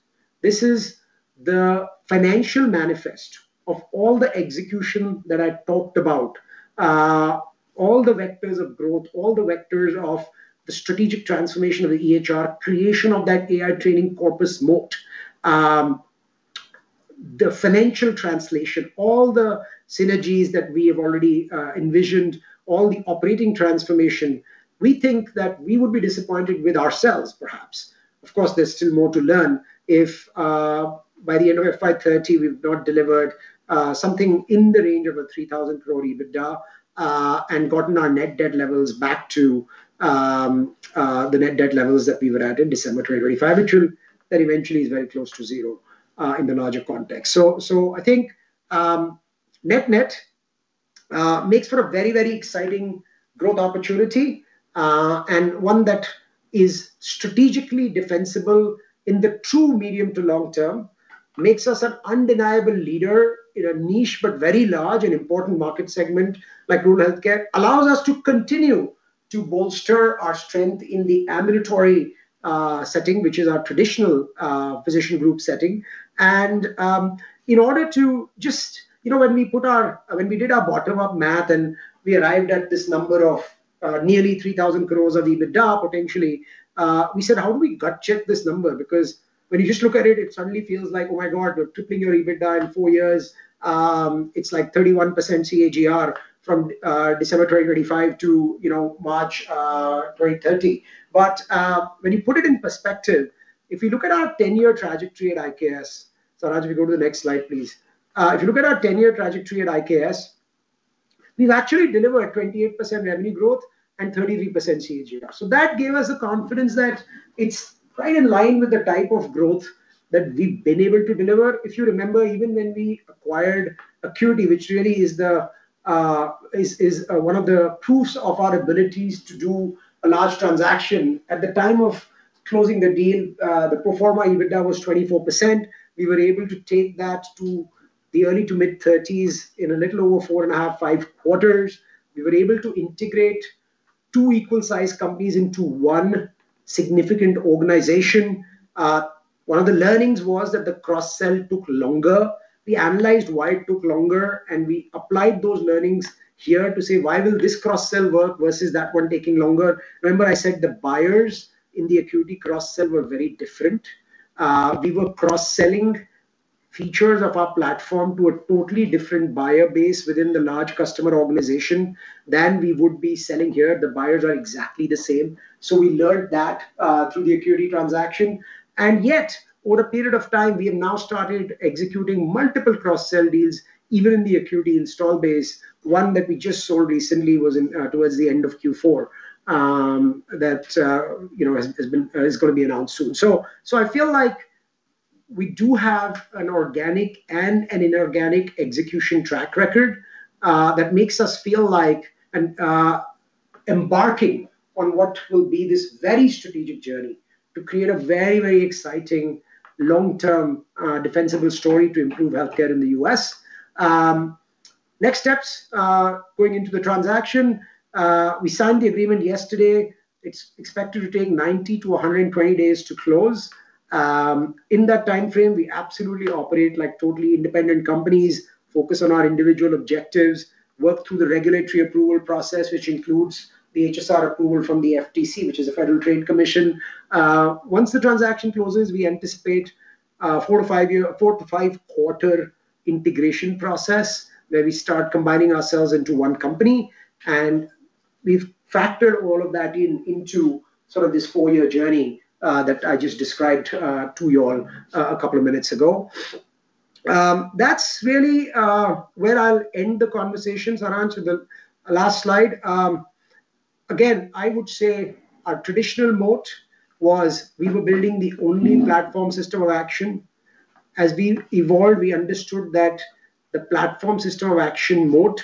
the financial manifest of all the execution that I talked about, all the vectors of growth, all the vectors of the strategic transformation of the EHR, creation of that AI training corpus moat, the financial translation, all the synergies that we have already envisioned, all the operating transformation. We think that we would be disappointed with ourselves, perhaps. Of course, there's still more to learn if by the end of FY 2030 we've not delivered something in the range of 3,000 crore EBITDA and gotten our net debt levels back to the net debt levels that we were at in December 2025, which will then eventually is very close to zero in the larger context. I think net-net makes for a very exciting growth opportunity. One that is strategically defensible in the true medium to long term, makes us an undeniable leader in a niche but very large and important market segment like rural healthcare, allows us to continue to bolster our strength in the ambulatory setting, which is our traditional physician group setting. When we did our bottom-up math and we arrived at this number of nearly 3,000 crores of EBITDA, potentially, we said, "How do we gut check this number?" Because when you just look at it suddenly feels like, "Oh my God, we're tripling our EBITDA in four years." It's like 31% CAGR from December 2025 to March 2030. When you put it in perspective, if you look at our 10-year trajectory at IKS. Saransh, we go to the next slide, please. If you look at our 10-year trajectory at IKS, we've actually delivered 28% revenue growth and 33% CAGR. That gave us the confidence that it's right in line with the type of growth that we've been able to deliver. If you remember, even when we acquired AQuity, which really is one of the proofs of our abilities to do a large transaction. At the time of closing the deal, the pro forma EBITDA was 24%. We were able to take that to the early- to mid-30%s in a little over 4.5-5 quarters. We were able to integrate two equal-sized companies into one significant organization. One of the learnings was that the cross-sell took longer. We analyzed why it took longer, and we applied those learnings here to say, "Why will this cross-sell work versus that one taking longer?" Remember I said the buyers in the AQuity cross-sell were very different. We were cross-selling features of our platform to a totally different buyer base within the large customer organization than we would be selling here. The buyers are exactly the same. We learned that through the AQuity transaction. Yet, over a period of time, we have now started executing multiple cross-sell deals, even in the AQuity install base. One that we just sold recently was towards the end of Q4, that is going to be announced soon. I feel like we do have an organic and an inorganic execution track record that makes us feel like embarking on what will be this very strategic journey to create a very exciting long-term defensible story to improve healthcare in the U.S. Next steps, going into the transaction. We signed the agreement yesterday. It's expected to take 90-120 days to close. In that timeframe, we absolutely operate like totally independent companies, focus on our individual objectives, work through the regulatory approval process, which includes the HSR approval from the FTC, which is the Federal Trade Commission. Once the transaction closes, we anticipate a four to five-quarter integration process where we start combining ourselves into one company. We've factored all of that into this four-year journey that I just described to you all a couple of minutes ago. That's really where I'll end the conversation. Saransh, the last slide. Again, I would say our traditional moat was we were building the only platform system of action. As we evolved, we understood that the platform system of action moat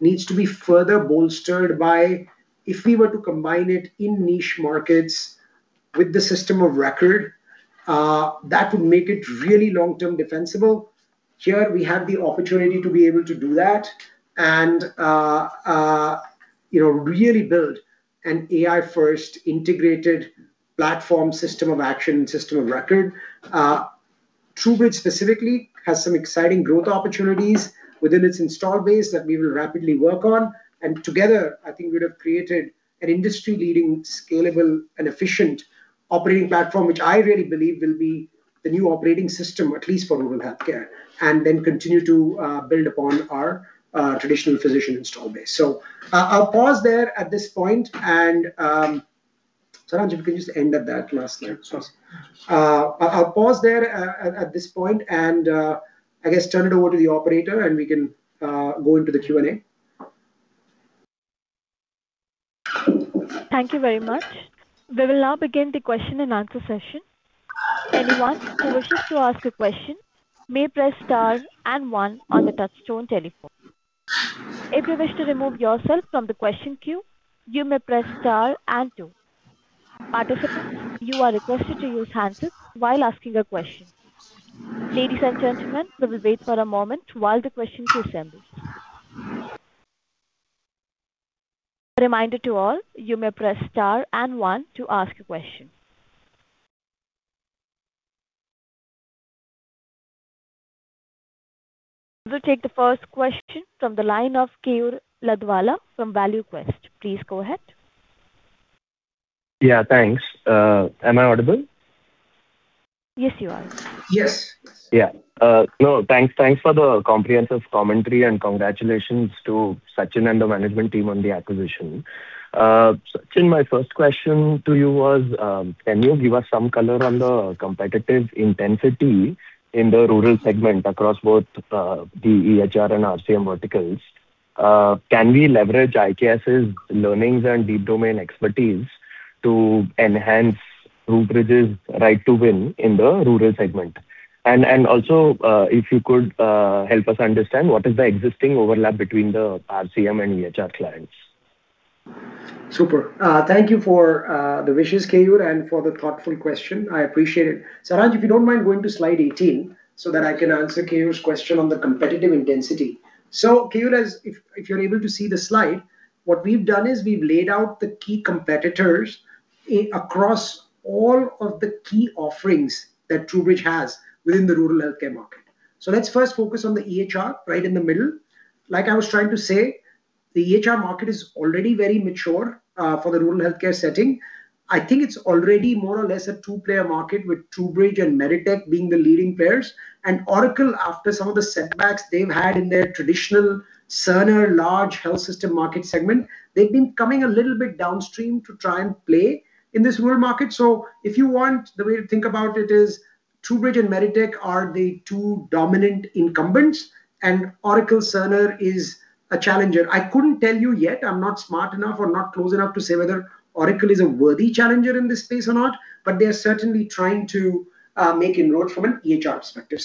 needs to be further bolstered by, if we were to combine it in niche markets with the system of record, that would make it really long-term defensible. Here we have the opportunity to be able to do that and really build an AI-first integrated platform system of action and system of record. TruBridge specifically has some exciting growth opportunities within its install base that we will rapidly work on. Together, I think we'd have created an industry-leading, scalable, and efficient operating platform, which I really believe will be the new operating system, at least for rural healthcare, then continue to build upon our traditional physician install base. I'll pause there at this point and, Saransh, if you can just end at that last slide, and I guess turn it over to the operator, and we can go into the Q&A. Thank you very much. We will now begin the question-and-answer session. Anyone who wishes to ask a question may press star and one on the touchtone telephone. If you wish to remove yourself from the question queue, you may press star and two. Participants, you are requested to use handsets while asking a question. Ladies and gentlemen, we will wait for a moment while the questions assemble. Reminder to all, you may press star and one to ask a question. We'll take the first question from the line of [Keyur Ladwala] from ValueQuest. Please go ahead. Yeah, thanks. Am I audible? Yes, you are. Yes. Yeah. No, thanks for the comprehensive commentary, and congratulations to Sachin and the management team on the acquisition. Sachin, my first question to you was, can you give us some color on the competitive intensity in the rural segment across both the EHR and RCM verticals? Can we leverage IKS's learnings and deep domain expertise to enhance TruBridge's right to win in the rural segment? And also, if you could help us understand what is the existing overlap between the RCM and EHR clients? Super. Thank you for the wishes, [Keyur], and for the thoughtful question. I appreciate it. Saransh, if you don't mind going to slide 18 so that I can answer [Keyur]'s question on the competitive intensity. [Keyur], if you're able to see the slide, what we've done is we've laid out the key competitors across all of the key offerings that TruBridge has within the rural healthcare market. Let's first focus on the EHR right in the middle. Like I was trying to say, the EHR market is already very mature for the rural healthcare setting. I think it's already more or less a two-player market, with TruBridge and MEDITECH being the leading players. Oracle, after some of the setbacks they've had in their traditional Cerner large health system market segment, they've been coming a little bit downstream to try and play in this rural market. If you want, the way to think about it is TruBridge and MEDITECH are the two dominant incumbents, and Oracle Cerner is a challenger. I couldn't tell you yet. I'm not smart enough or not close enough to say whether Oracle is a worthy challenger in this space or not, but they're certainly trying to make inroads from an EHR perspective.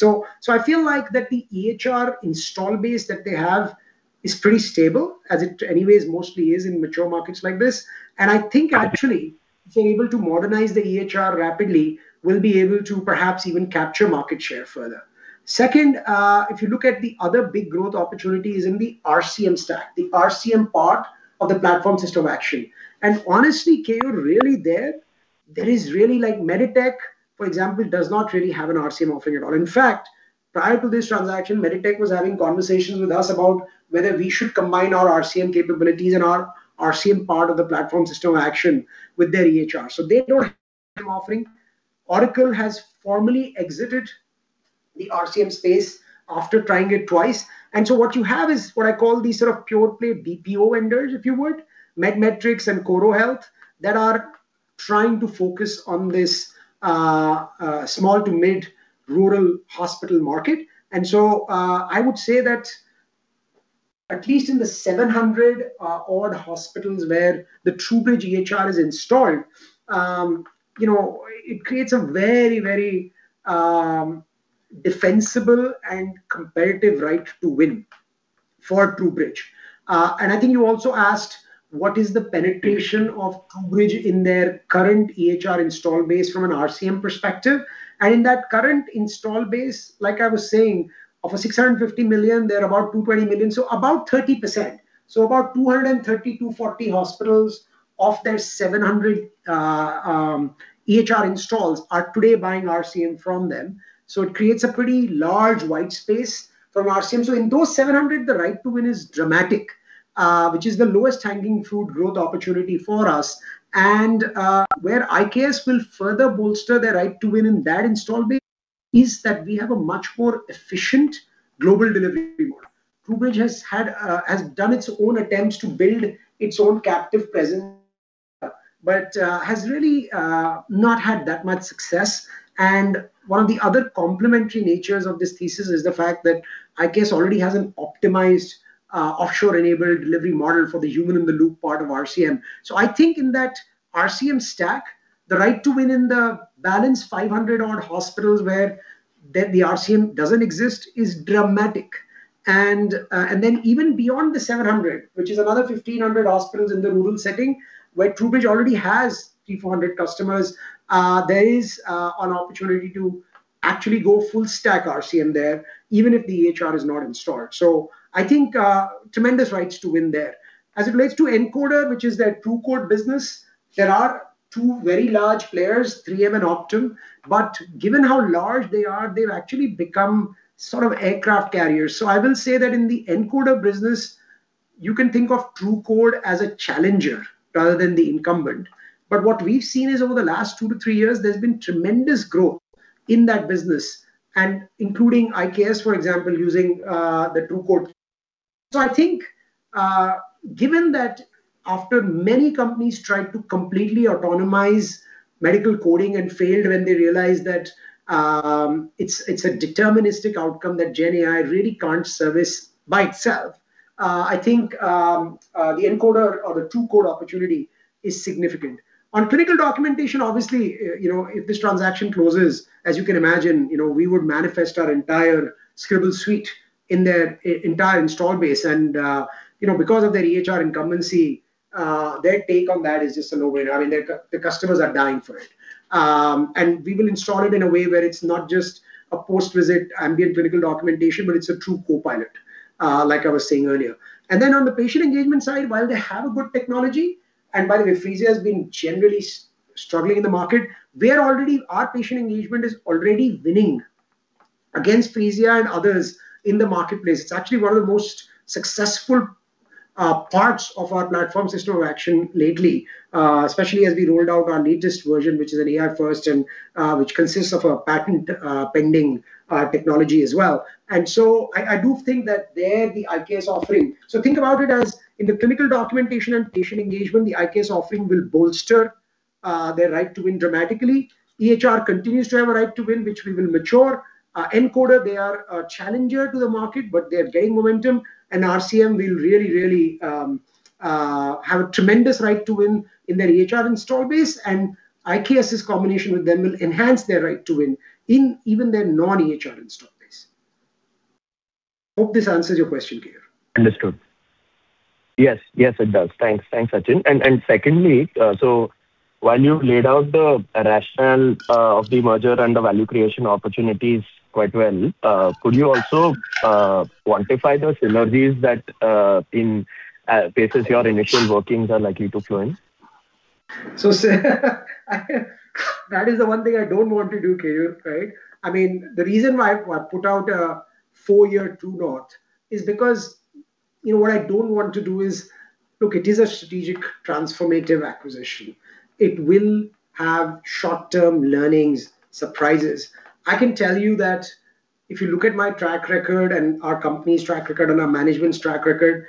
I feel like that the EHR install base that they have is pretty stable, as it anyways mostly is in mature markets like this. I think actually if they're able to modernize the EHR rapidly, we'll be able to perhaps even capture market share further. Second, if you look at the other big growth opportunities in the RCM stack, the RCM part of the platform system of action. Honestly, [Keyur], really there is really like MEDITECH, for example, does not really have an RCM offering at all. In fact, prior to this transaction, MEDITECH was having conversations with us about whether we should combine our RCM capabilities and our RCM part of the platform system of action with their EHR. They don't have an RCM offering. Oracle has formally exited the RCM space after trying it twice. What you have is what I call these sort of vendors if you would. Med-Metrix and Coral Health that are trying to focus on these small to mid rural hospital market. I would say that at least in the 700-odd hospitals where the TruBridge EHR is installed, it creates a very, very defensible and competitive right to win for TruBridge. I think you also asked what is the penetration of TruBridge in their current EHR install base from an RCM perspective. In that current install base, like I was saying, of a $650 million, they're about $220 million, so about 30%. About 230-240 hospitals of their 700 EHR installs are today buying RCM from them. It creates a pretty large white space from RCM. In those 700, the right to win is dramatic, which is the lowest hanging fruit growth opportunity for us. Where IKS will further bolster their right to win in that install base is that we have a much more efficient global delivery model. TruBridge has done its own attempts to build its own captive presence, but has really not had that much success. One of the other complementary natures of this thesis is the fact that IKS already has an optimized offshore-enabled delivery model for the human-in-the-loop part of RCM. I think in that RCM stack, the right to win in the balance 500-odd hospitals where the RCM doesn't exist is dramatic. Then even beyond the 700, which is another 1,500 hospitals in the rural setting, where TruBridge already has 3,400 customers, there is an opportunity to actually go full stack RCM there, even if the EHR is not installed. I think tremendous rights to win there. As it relates to encoder, which is their TruCode business, there are two very large players, 3M and Optum. Given how large they are, they've actually become sort of aircraft carriers. I will say that in the Encoder business, you can think of TruCode as a challenger rather than the incumbent. What we've seen is over the last 2-3 years, there's been tremendous growth in that business, and including IKS, for example, using the TruCode. I think given that after many companies tried to completely autonomize medical coding and failed when they realized that it's a deterministic outcome that GenAI really can't service by itself, I think the Encoder or the TruCode opportunity is significant. On clinical documentation, obviously, if this transaction closes, as you can imagine, we would manifest our entire Scribble suite in their entire install base. Because of their EHR incumbency, their take on that is just a no-brainer. I mean, the customers are dying for it. We will install it in a way where it's not just a post-visit ambient clinical documentation, but it's a true co-pilot. Like I was saying earlier. Then on the patient engagement side, while they have a good technology, and by the way, Phreesia has been generally struggling in the market. Our patient engagement is already winning against Phreesia and others in the marketplace. It's actually one of the most successful parts of our platform system of action lately, especially as we rolled out our latest version, which is an AI-first and which consists of a patent pending technology as well. I do think that there the IKS offering. Think about it as in the clinical documentation and patient engagement, the IKS offering will bolster their right to win dramatically. EHR continues to have a right to win, which we will mature. Encoder, they are a challenger to the market, but they're gaining momentum, and RCM will really, really have a tremendous right to win in their EHR install base, and IKS's combination with them will enhance their right to win in even their non-EHR install base. Hope this answers your question, [Keyur]. Understood. Yes, it does. Thanks, Sachin. Secondly, while you laid out the rationale of the merger and the value creation opportunities quite well, could you also quantify the synergies that, in phases, your initial workings are likely to flow in? That is the one thing I don't want to do, [Keyur], right? I mean, the reason why I put out a four-year true north is because what I don't want to do is. Look, it is a strategic transformative acquisition. It will have short-term learnings, surprises. I can tell you that if you look at my track record and our company's track record and our management's track record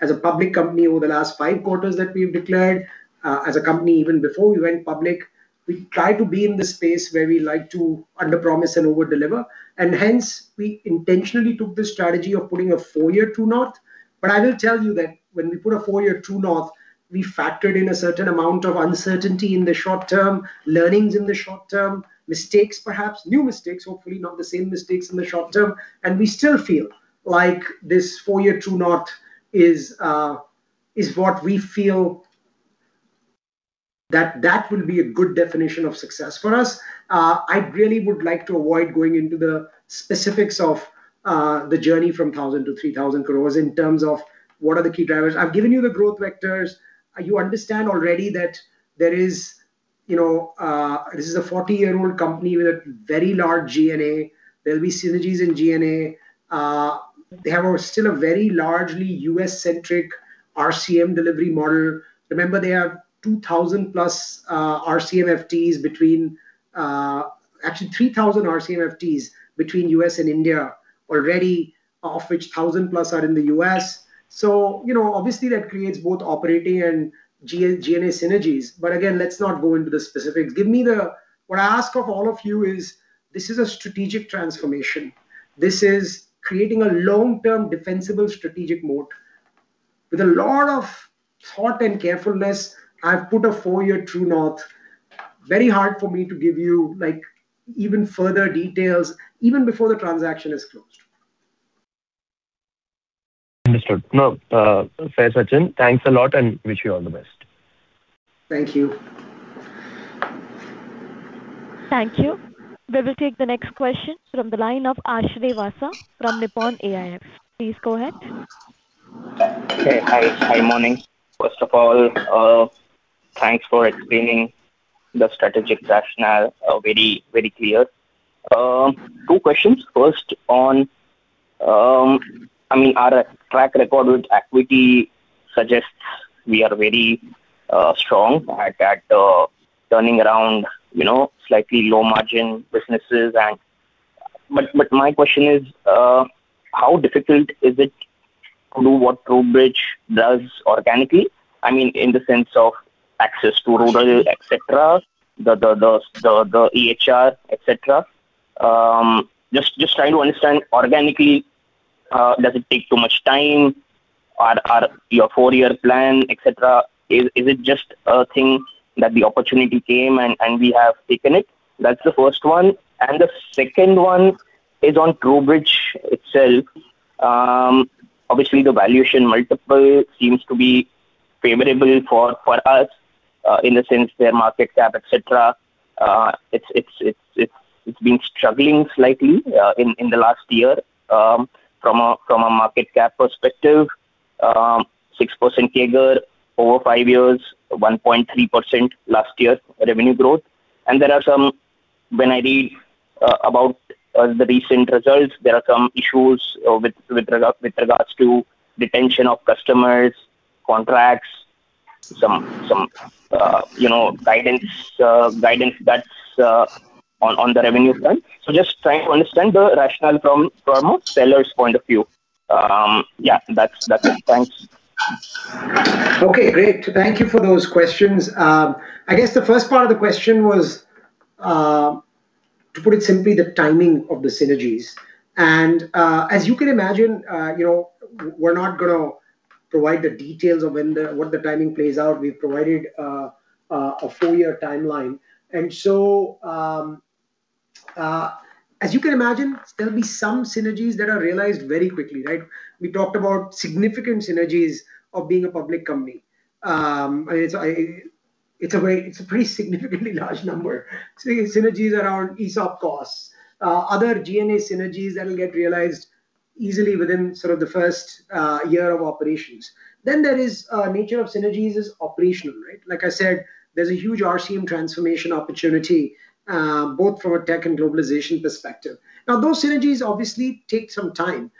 as a public company over the last five quarters that we've declared, as a company even before we went public, we try to be in the space where we like to underpromise and overdeliver. Hence, we intentionally took the strategy of putting a four-year true north. I will tell you that when we put a four-year true north, we factored in a certain amount of uncertainty in the short term, learnings in the short term, mistakes perhaps, new mistakes, hopefully not the same mistakes in the short term, and we still feel like this four-year true north is what we feel that will be a good definition of success for us. I really would like to avoid going into the specifics of the journey from 1,000 crores to 3,000 crores in terms of what are the key drivers. I've given you the growth vectors. You understand already that this is a 40-year-old company with a very large G&A. There'll be synergies in G&A. They have still a very largely U.S.-centric RCM delivery model. Remember, they have 2,000+ RCM FTEs between. Actually 3,000 RCM FTEs between U.S. and India already, of which 1,000+ are in the U.S. Obviously that creates both operating and G&A synergies. Again, let's not go into the specifics. What I ask of all of you is, this is a strategic transformation. This is creating a long-term defensible strategic moat. With a lot of thought and carefulness, I've put a four-year true north. Very hard for me to give you even further details, even before the transaction is closed. Understood. No. Fair, Sachin. Thanks a lot, and I wish you all the best. Thank you. Thank you. We will take the next question from the line of Aashray Vasa from Nippon AIF. Please go ahead. Okay. Hi. Morning. First of all, thanks for explaining the strategic rationale very clear. Two questions. First on our track record with equity suggests we are very strong at turning around slightly low margin businesses. My question is, how difficult is it to do what TruBridge does organically? In the sense of access to rural, etc, the EHR, etc. Just trying to understand organically, does it take too much time? Your four-year plan, etc. Is it just a thing that the opportunity came, and we have taken it? That's the first one. The second one is on TruBridge itself. Obviously, the valuation multiple seems to be favorable for us, in the sense their market cap, etc. It's been struggling slightly in the last year from a market cap perspective. 6% CAGR over five years, 1.3% last year revenue growth. When I read about the recent results, there are some issues with regards to retention of customers, contracts, some guidance that's on the revenue front. Just trying to understand the rationale from a seller's point of view. Yeah. That's it. Thanks. Okay, great. Thank you for those questions. I guess the first part of the question was, to put it simply, the timing of the synergies. As you can imagine, we're not going to provide the details of what the timing plays out. We've provided a four-year timeline. As you can imagine, there'll be some synergies that are realized very quickly, right? We talked about significant synergies of being a public company. It's a pretty significantly large number. Synergies around ESOP costs, other G&A synergies that'll get realized easily within the first year of operations. Then the nature of the synergies is operational. Like I said, there's a huge RCM transformation opportunity, both from a tech and globalization perspective. Now, those synergies obviously take some time,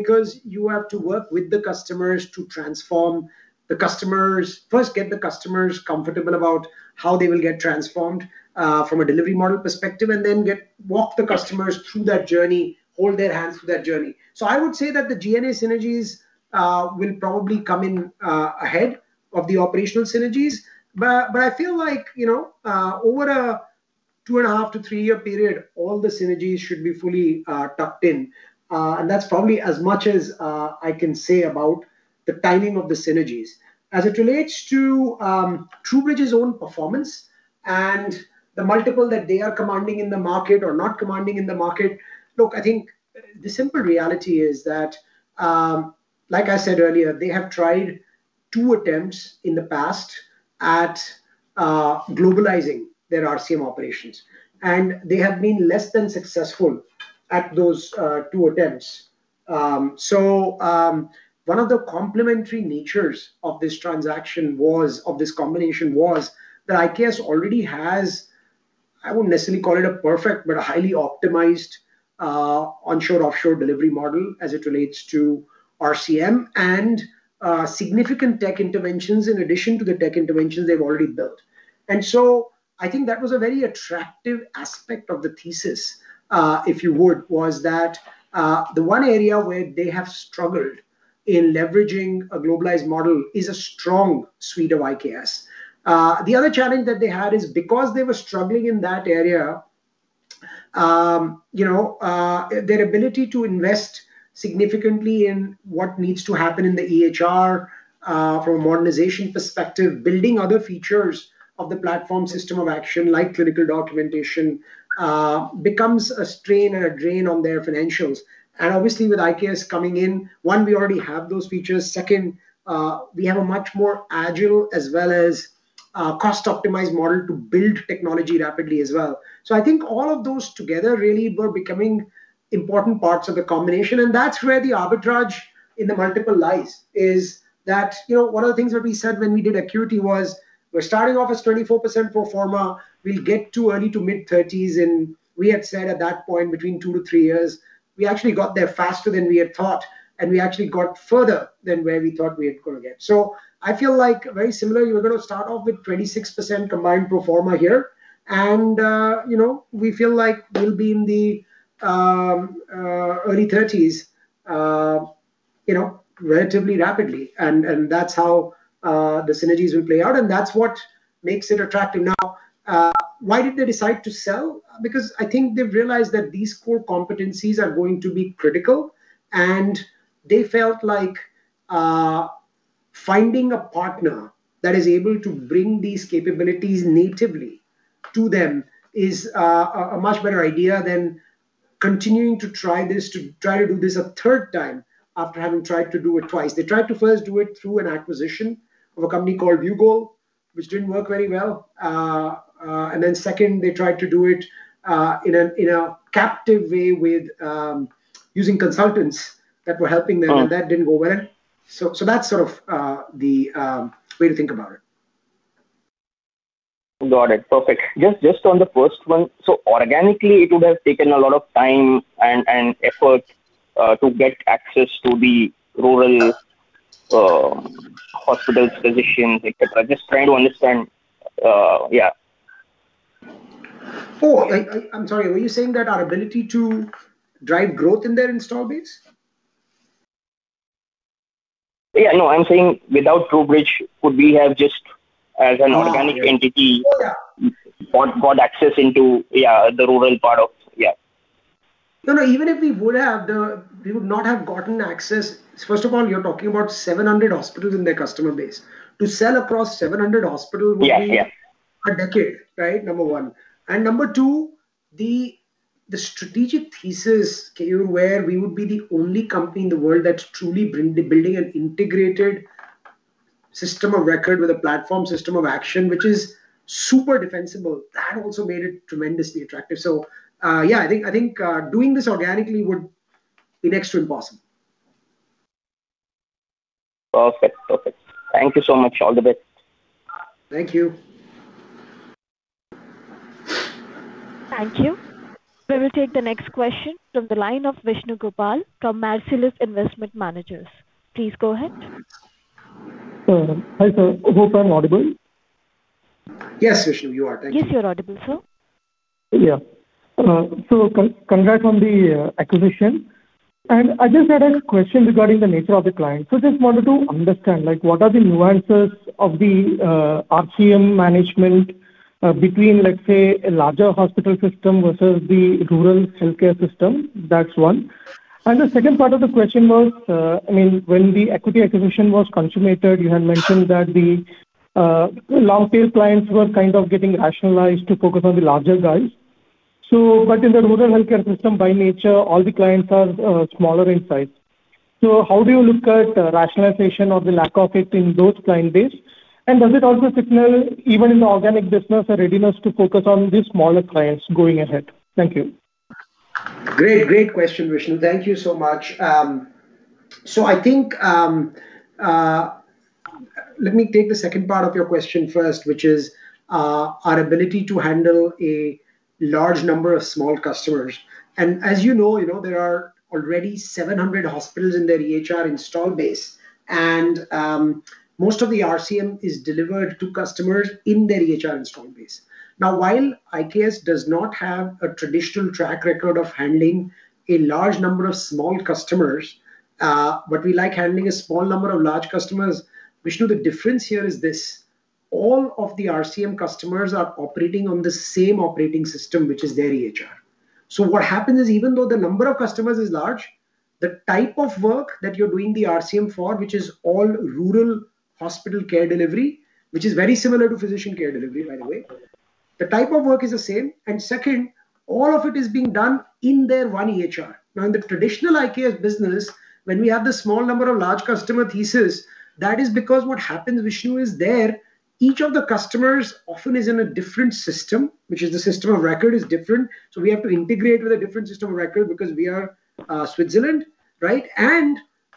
because you have to work with the customers to transform the customers. First get the customers comfortable about how they will get transformed from a delivery model perspective, and then walk the customers through that journey, hold their hands through that journey. I would say that the G&A synergies will probably come in ahead of the operational synergies. I feel like, over a 2.5-3-year period, all the synergies should be fully tucked in. That's probably as much as I can say about the timing of the synergies. As it relates to TruBridge's own performance and the multiple that they are commanding in the market or not commanding in the market, look, I think the simple reality is that, like I said earlier, they have tried two attempts in the past at globalizing their RCM operations. They have been less than successful at those two attempts. One of the complementary natures of this combination was that IKS already has. I wouldn't necessarily call it a perfect, but a highly optimized onshore, offshore delivery model as it relates to RCM, and significant tech interventions in addition to the tech interventions they've already built. I think that was a very attractive aspect of the thesis, if you would, was that the one area where they have struggled in leveraging a globalized model is a strong suite of IKS. The other challenge that they had is because they were struggling in that area, their ability to invest significantly in what needs to happen in the EHR from a modernization perspective, building other features of the platform system of action, like clinical documentation, becomes a strain and a drain on their financials. Obviously with IKS coming in, one, we already have those features. Second, we have a much more agile as well as cost-optimized model to build technology rapidly as well. I think all of those together really were becoming important parts of the combination, and that's where the arbitrage in the multiple lies. That's one of the things that we said when we did AQuity was, we're starting off as 24% pro forma. We'll get to early- to mid-30s in, we had said at that point, between 2-3 years. We actually got there faster than we had thought, and we actually got further than where we thought we were going to get. I feel like very similar, we're going to start off with 26% combined pro forma here, and we feel like we'll be in the early 30s relatively rapidly. That's how the synergies will play out, and that's what makes it attractive. Now, why did they decide to sell? Because I think they've realized that these core competencies are going to be critical, and they felt like finding a partner that is able to bring these capabilities natively to them is a much better idea than continuing to try to do this a third time after having tried to do it twice. They tried to first do it through an acquisition of a company called Bugle, which didn't work very well. Second, they tried to do it in a captive way with using consultants that were helping them. Hmm... and that didn't go well. That's sort of the way to think about it. Got it. Perfect. Just on the first one, organically, it would have taken a lot of time and effort to get access to the rural hospitals, physicians, et cetera. Just trying to understand. Yeah. Oh, I'm sorry. Were you saying that our ability to drive growth in their install base? Yeah, no. I'm saying without TruBridge, would we have just as an organic. No... entity- Oh, yeah. got access into, yeah, the rural part of. Yeah. No, even if we would have, we would not have gotten access. First of all, you're talking about 700 hospitals in their customer base. To sell across 700 hospitals. Yeah would be a decade, right? Number one. Number two, the strategic thesis, where we would be the only company in the world that's truly building an integrated system of record with a platform system of action, which is super defensible. That also made it tremendously attractive. Yeah, I think doing this organically would be next to impossible. Perfect. Thank you so much. All the best. Thank you. Thank you. We will take the next question from the line of Vishnu Gopal from Marcellus Investment Managers. Please go ahead. Hi, sir. Hope I'm audible. Yes, Vishnu, you are. Thank you. Yes, you're audible, sir. Yeah. Congrats on the acquisition. I just had a question regarding the nature of the client. Just wanted to understand, what are the nuances of the RCM management between, let's say, a larger hospital system versus the rural healthcare system? That's one. The second part of the question was, when the equity acquisition was consummated, you had mentioned that the long-tail clients were kind of getting rationalized to focus on the larger guys. In the rural healthcare system, by nature, all the clients are smaller in size. How do you look at rationalization or the lack of it in those client base, and does it also signal, even in the organic business, a readiness to focus on these smaller clients going ahead? Thank you. Great question, Vishnu. Thank you so much. I think, let me take the second part of your question first, which is our ability to handle a large number of small customers. As you know, there are already 700 hospitals in their EHR install base. Most of the RCM is delivered to customers in their EHR install base. Now, while IKS does not have a traditional track record of handling a large number of small customers, what we like handling is small number of large customers. Vishnu, the difference here is this, all of the RCM customers are operating on the same operating system, which is their EHR. What happens is, even though the number of customers is large, the type of work that you're doing the RCM for, which is all rural hospital care delivery, which is very similar to physician care delivery, by the way. The type of work is the same, and second, all of it is being done in their one EHR. Now, in the traditional IKS business, when we have the small number of large customers, this is because what happens, Vishnu, is that each of the customers often is in a different system, which is the system of record, is different. We have to integrate with a different system of record because we are Switzerland, right?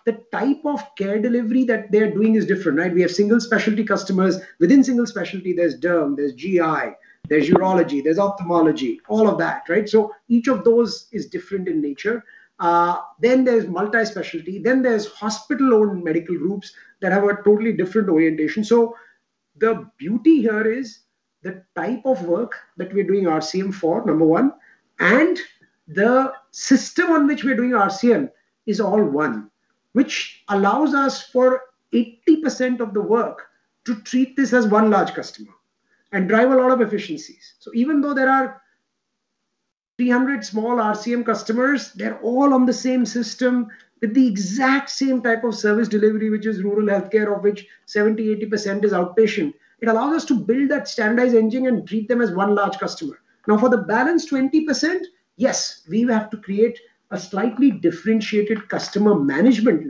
The type of care delivery that they're doing is different, right? We have single specialty customers. Within single specialty, there's derm, there's GI, there's urology, there's ophthalmology, all of that, right? Each of those is different in nature. There's multi-specialty, there's hospital-owned medical groups that have a totally different orientation. The beauty here is the type of work that we're doing RCM for, number one, and the system on which we are doing RCM is all one. Which allows us for 80% of the work to treat this as one large customer and drive a lot of efficiencies. Even though there are 300 small RCM customers, they're all on the same system with the exact same type of service delivery, which is rural healthcare, of which 70%-80% is outpatient. It allows us to build that standardized engine and treat them as one large customer. Now, for the balance 20%, yes, we have to create a slightly differentiated customer management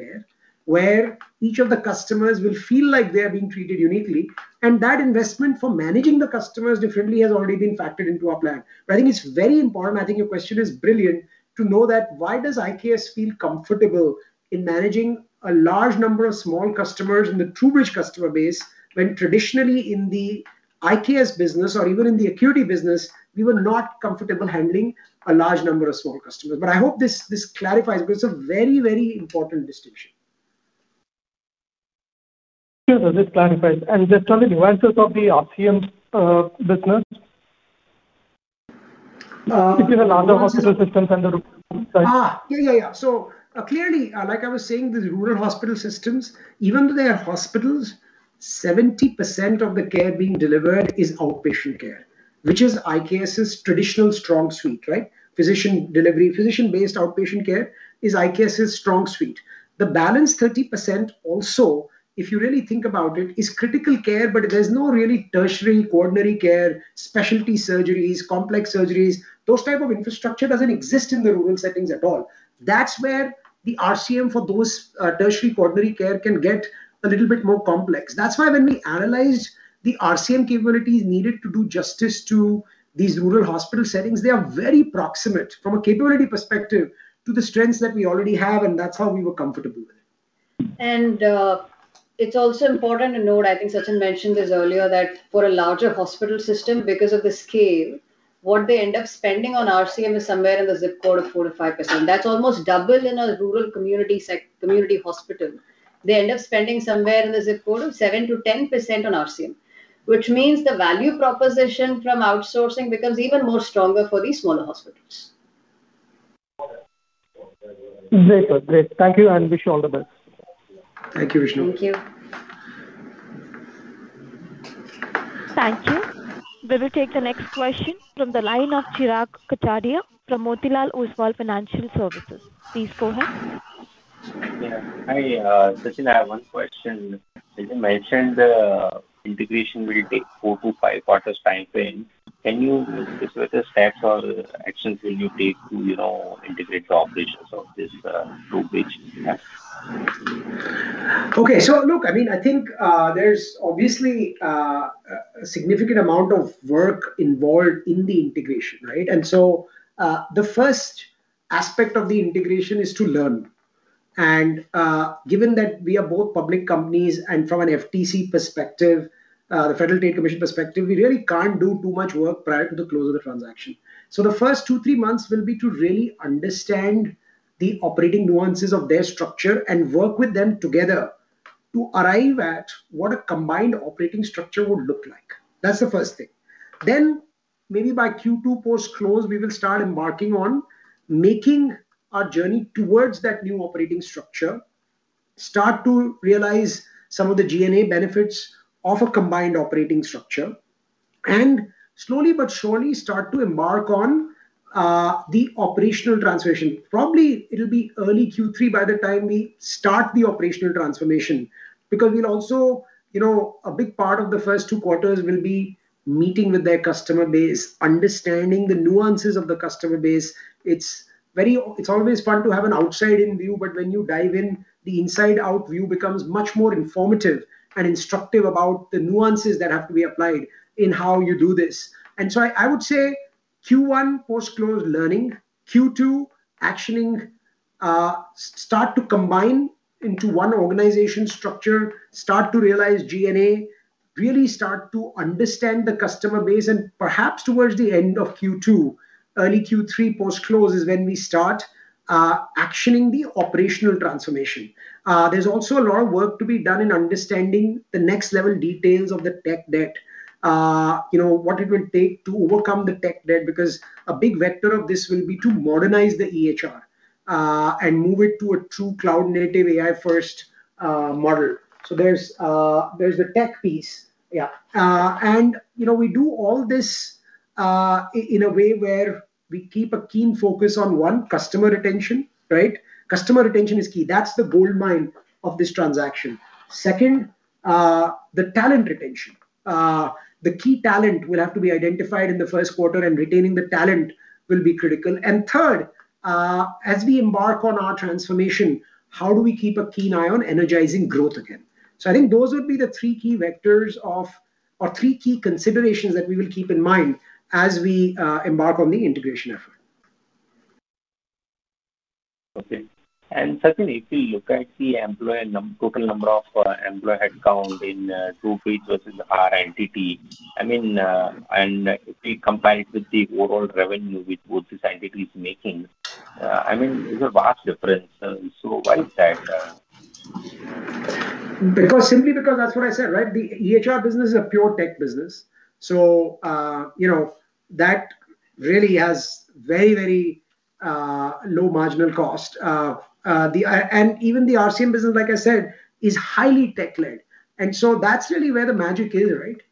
layer where each of the customers will feel like they're being treated uniquely, and that investment for managing the customers differently has already been factored into our plan. I think it's very important, I think your question is brilliant, to know that why does IKS feel comfortable in managing a large number of small customers in the TruBridge customer base, when traditionally in the IKS business or even in the AQuity business, we were not comfortable handling a large number of small customers. I hope this clarifies because it's a very important distinction. Yes, that is clarified. Just on the nuances of the RCM business. Uh- Between the larger hospital systems and the rural side. Clearly, like I was saying, these rural hospital systems, even though they are hospitals, 70% of the care being delivered is outpatient care, which is IKS's traditional strong suite, right. Physician delivery, physician-based outpatient care is IKS's strong suite. The balance 30% also, if you really think about it, is critical care, but there's no real tertiary, quaternary care, specialty surgeries, complex surgeries. Those type of infrastructure doesn't exist in the rural settings at all. That's where the RCM for those tertiary, quaternary care can get a little bit more complex. That's why when we analyzed the RCM capabilities needed to do justice to these rural hospital settings, they are very proximate from a capability perspective to the strengths that we already have, and that's how we were comfortable with it. It's also important to note, I think Sachin mentioned this earlier, that for a larger hospital system, because of the scale, what they end up spending on RCM is somewhere in the zip code of 4%-5%. That's almost double in a rural community hospital. They end up spending somewhere in the zip code of 7%-10% on RCM. Which means the value proposition from outsourcing becomes even more stronger for these smaller hospitals. Great, sir. Great. Thank you, and wish you all the best. Thank you, Vishnu. Thank you. Thank you. We will take the next question from the line of Chirag Kachhadiya from Motilal Oswal Financial Services. Please go ahead. Yeah. Hi, Sachin, I have one question. You mentioned the integration will take 4-5 quarters timeframe. Can you give us stats or actions will you take to integrate the operations of this TruBridge? Okay. Look, I think there's obviously a significant amount of work involved in the integration, right? The first aspect of the integration is to learn. Given that we are both public companies and from an FTC perspective, the Federal Trade Commission perspective, we really can't do too much work prior to the close of the transaction. The first 2-3 months will be to really understand the operating nuances of their structure and work with them together to arrive at what a combined operating structure would look like. That's the first thing. Maybe by Q2 post-close, we will start embarking on making our journey towards that new operating structure, start to realize some of the G&A benefits of a combined operating structure, and slowly but surely start to embark on the operational transformation. Probably, it'll be early Q3 by the time we start the operational transformation. Because a big part of the first two quarters will be meeting with their customer base, understanding the nuances of the customer base. It's always fun to have an outside-in view, but when you dive in, the inside-out view becomes much more informative and instructive about the nuances that have to be applied in how you do this. I would say Q1 post-close, learning. Q2, actioning. Start to combine into one organization structure, start to realize G&A, really start to understand the customer base, and perhaps towards the end of Q2, early Q3 post-close is when we start actioning the operational transformation. There's also a lot of work to be done in understanding the next level details of the tech debt. What it will take to overcome the tech debt, because a big vector of this will be to modernize the EHR, and move it to a true cloud-native, AI-first model. There's the tech piece. Yeah. We do all this in a way where we keep a keen focus on one, customer retention. Customer retention is key. That's the goldmine of this transaction. Second, the talent retention. The key talent will have to be identified in the first quarter, and retaining the talent will be critical. Third, as we embark on our transformation, how do we keep a keen eye on energizing growth again? I think those would be the three key vectors or three key considerations that we will keep in mind as we embark on the integration effort. Okay. Sachin, if you look at the total number of employee headcount in TruBridge versus our entity, and if we combine it with the overall revenue which both these entities is making, there's a vast difference. Why is that? Simply because that's what I said. The EHR business is a pure tech business. That really has very low marginal cost. Even the RCM business, like I said, is highly tech-led. That's really where the magic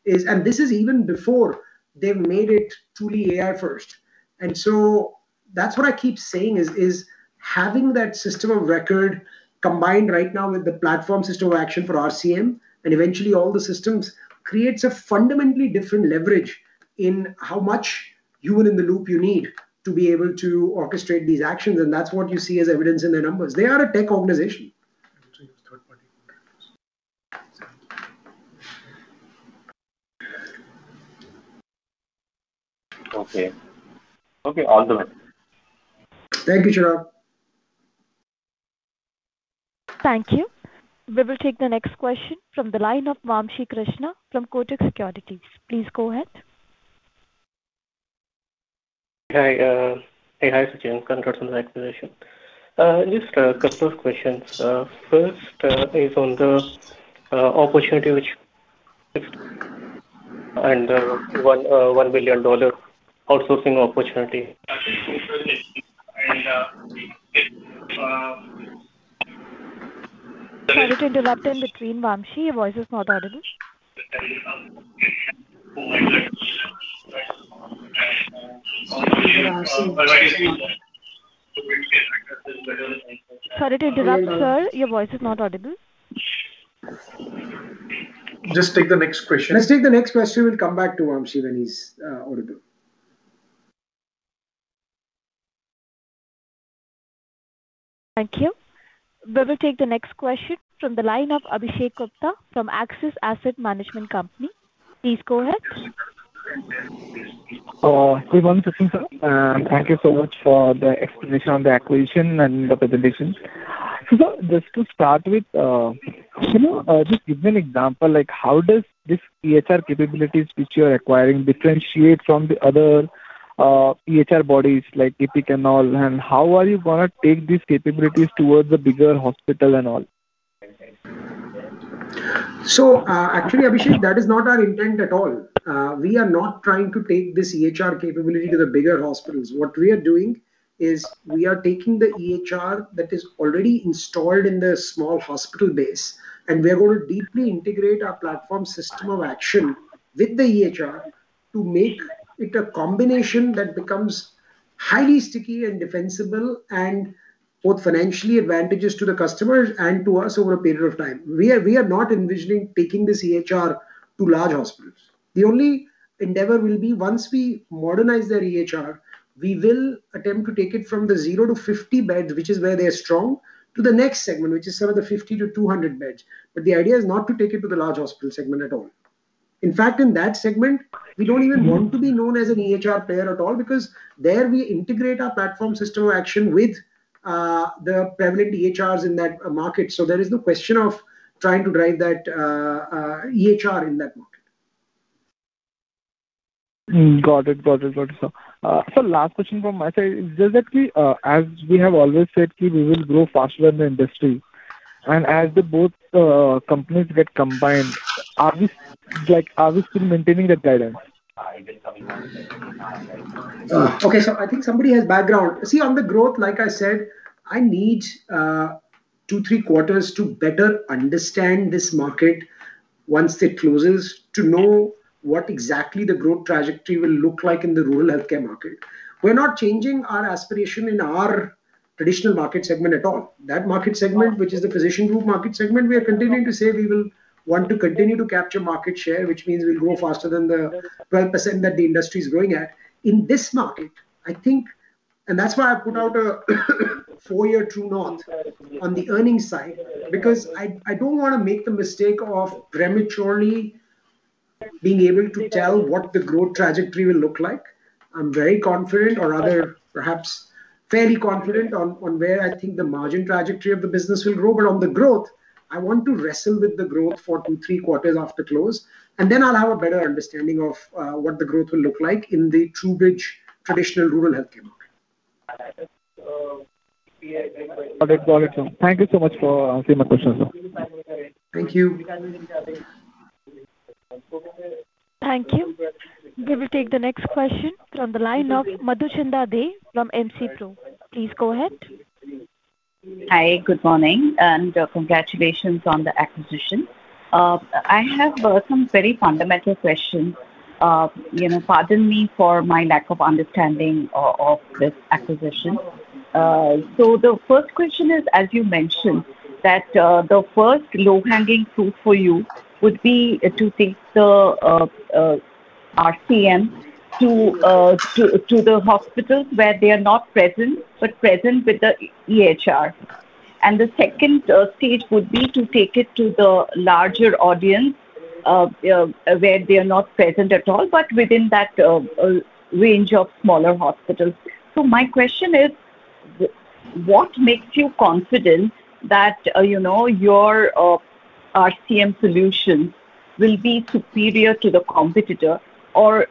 is. This is even before they've made it truly AI first. That's what I keep saying is, having that system of record combined right now with the platform system of action for RCM, and eventually all the systems, creates a fundamentally different leverage in how much human in the loop you need to be able to orchestrate these actions, and that's what you see as evidence in their numbers. They are a tech organization. Okay. All the best. Thank you, Chirag. Thank you. We will take the next question from the line of Vamshi Krishna from Kotak Securities. Please go ahead. Hi, Sachin. Congrats on the acquisition. Just a couple of questions. First is on the opportunity and $1 billion outsourcing opportunity. Sorry to interrupt there between, Vamshi. Your voice is not audible. Sorry to interrupt, sir. Your voice is not audible. Just take the next question. Let's take the next question. We'll come back to Vamshi when he's audible. Thank you. We will take the next question from the line of Abhishek Gupta from Axis Asset Management Company. Please go ahead. Good morning, Sachin, sir. Thank you so much for the explanation on the acquisition and the presentation. Just to start with, can you just give me an example, like how does this EHR capabilities which you are acquiring differentiate from the other EHR bodies, like Epic and all, and how are you going to take these capabilities towards the bigger hospital and all? Actually, Abhishek, that is not our intent at all. We are not trying to take this EHR capability to the bigger hospitals. What we are doing is we are taking the EHR that is already installed in the small hospital base, and we're going to deeply integrate our platform system of action with the EHR to make it a combination that becomes highly sticky and defensible, and both financially advantageous to the customers and to us over a period of time. We are not envisioning taking this EHR to large hospitals. The only endeavor will be once we modernize their EHR, we will attempt to take it from the zero to 50 beds, which is where they're strong, to the next segment, which is some of the 50-200 beds. The idea is not to take it to the large hospital segment at all. In fact, in that segment, we don't even want to be known as an EHR player at all because there we integrate our platform system of action with the prevalent EHRs in that market. There is no question of trying to drive that EHR in that market. Got it, sir. Sir, last question from my side is just that as we have always said we will grow faster than the industry, and as the both companies get combined, are we still maintaining that guidance? Okay. I think somebody has background. See, on the growth, like I said, I need two, three quarters to better understand this market once it closes to know what exactly the growth trajectory will look like in the rural healthcare market. We're not changing our aspiration in our traditional market segment at all. That market segment, which is the physician group market segment, we are continuing to say we will want to continue to capture market share, which means we'll grow faster than the 12% that the industry's growing at. In this market, I think, that's why I put out a four-year true north on the earnings side, because I don't want to make the mistake of prematurely being able to tell what the growth trajectory will look like. I'm very confident or rather, perhaps fairly confident on where I think the margin trajectory of the business will grow. On the growth, I want to wrestle with the growth for two, three quarters after close, and then I'll have a better understanding of what the growth will look like in the TruBridge traditional rural healthcare market. Got it. Got it, sir. Thank you so much for answering my questions, sir. Thank you. Thank you. We will take the next question from the line of Madhuchanda Dey from MC Pro. Please go ahead. Hi. Good morning, and congratulations on the acquisition. I have some very fundamental questions. Pardon me for my lack of understanding of this acquisition. The first question is, as you mentioned, that the first low-hanging fruit for you would be to take the RCM to the hospitals where they are not present, but present with the EHR. The second stage would be to take it to the larger audience, where they are not present at all, but within that range of smaller hospitals. My question is, what makes you confident that your RCM solution will be superior to the competitor? Or,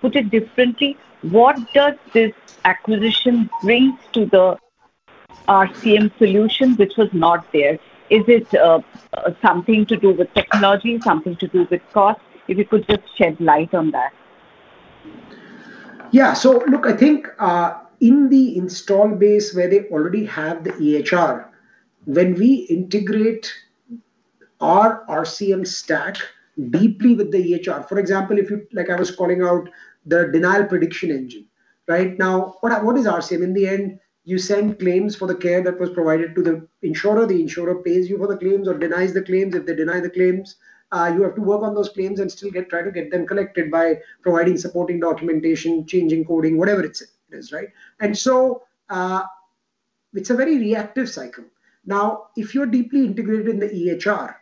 put it differently, what does this acquisition bring to the RCM solution which was not there? Is it something to do with technology, something to do with cost? If you could just shed light on that. Yeah. Look, I think, in the install base where they already have the EHR, when we integrate our RCM stack deeply with the EHR. For example, like I was calling out the denial prediction engine. Right? Now, what is RCM? In the end, you send claims for the care that was provided to the insurer. The insurer pays you for the claims or denies the claims. If they deny the claims, you have to work on those claims and still try to get them collected by providing supporting documentation, changing coding, whatever it is, right? It's a very reactive cycle. Now, if you're deeply integrated in the EHR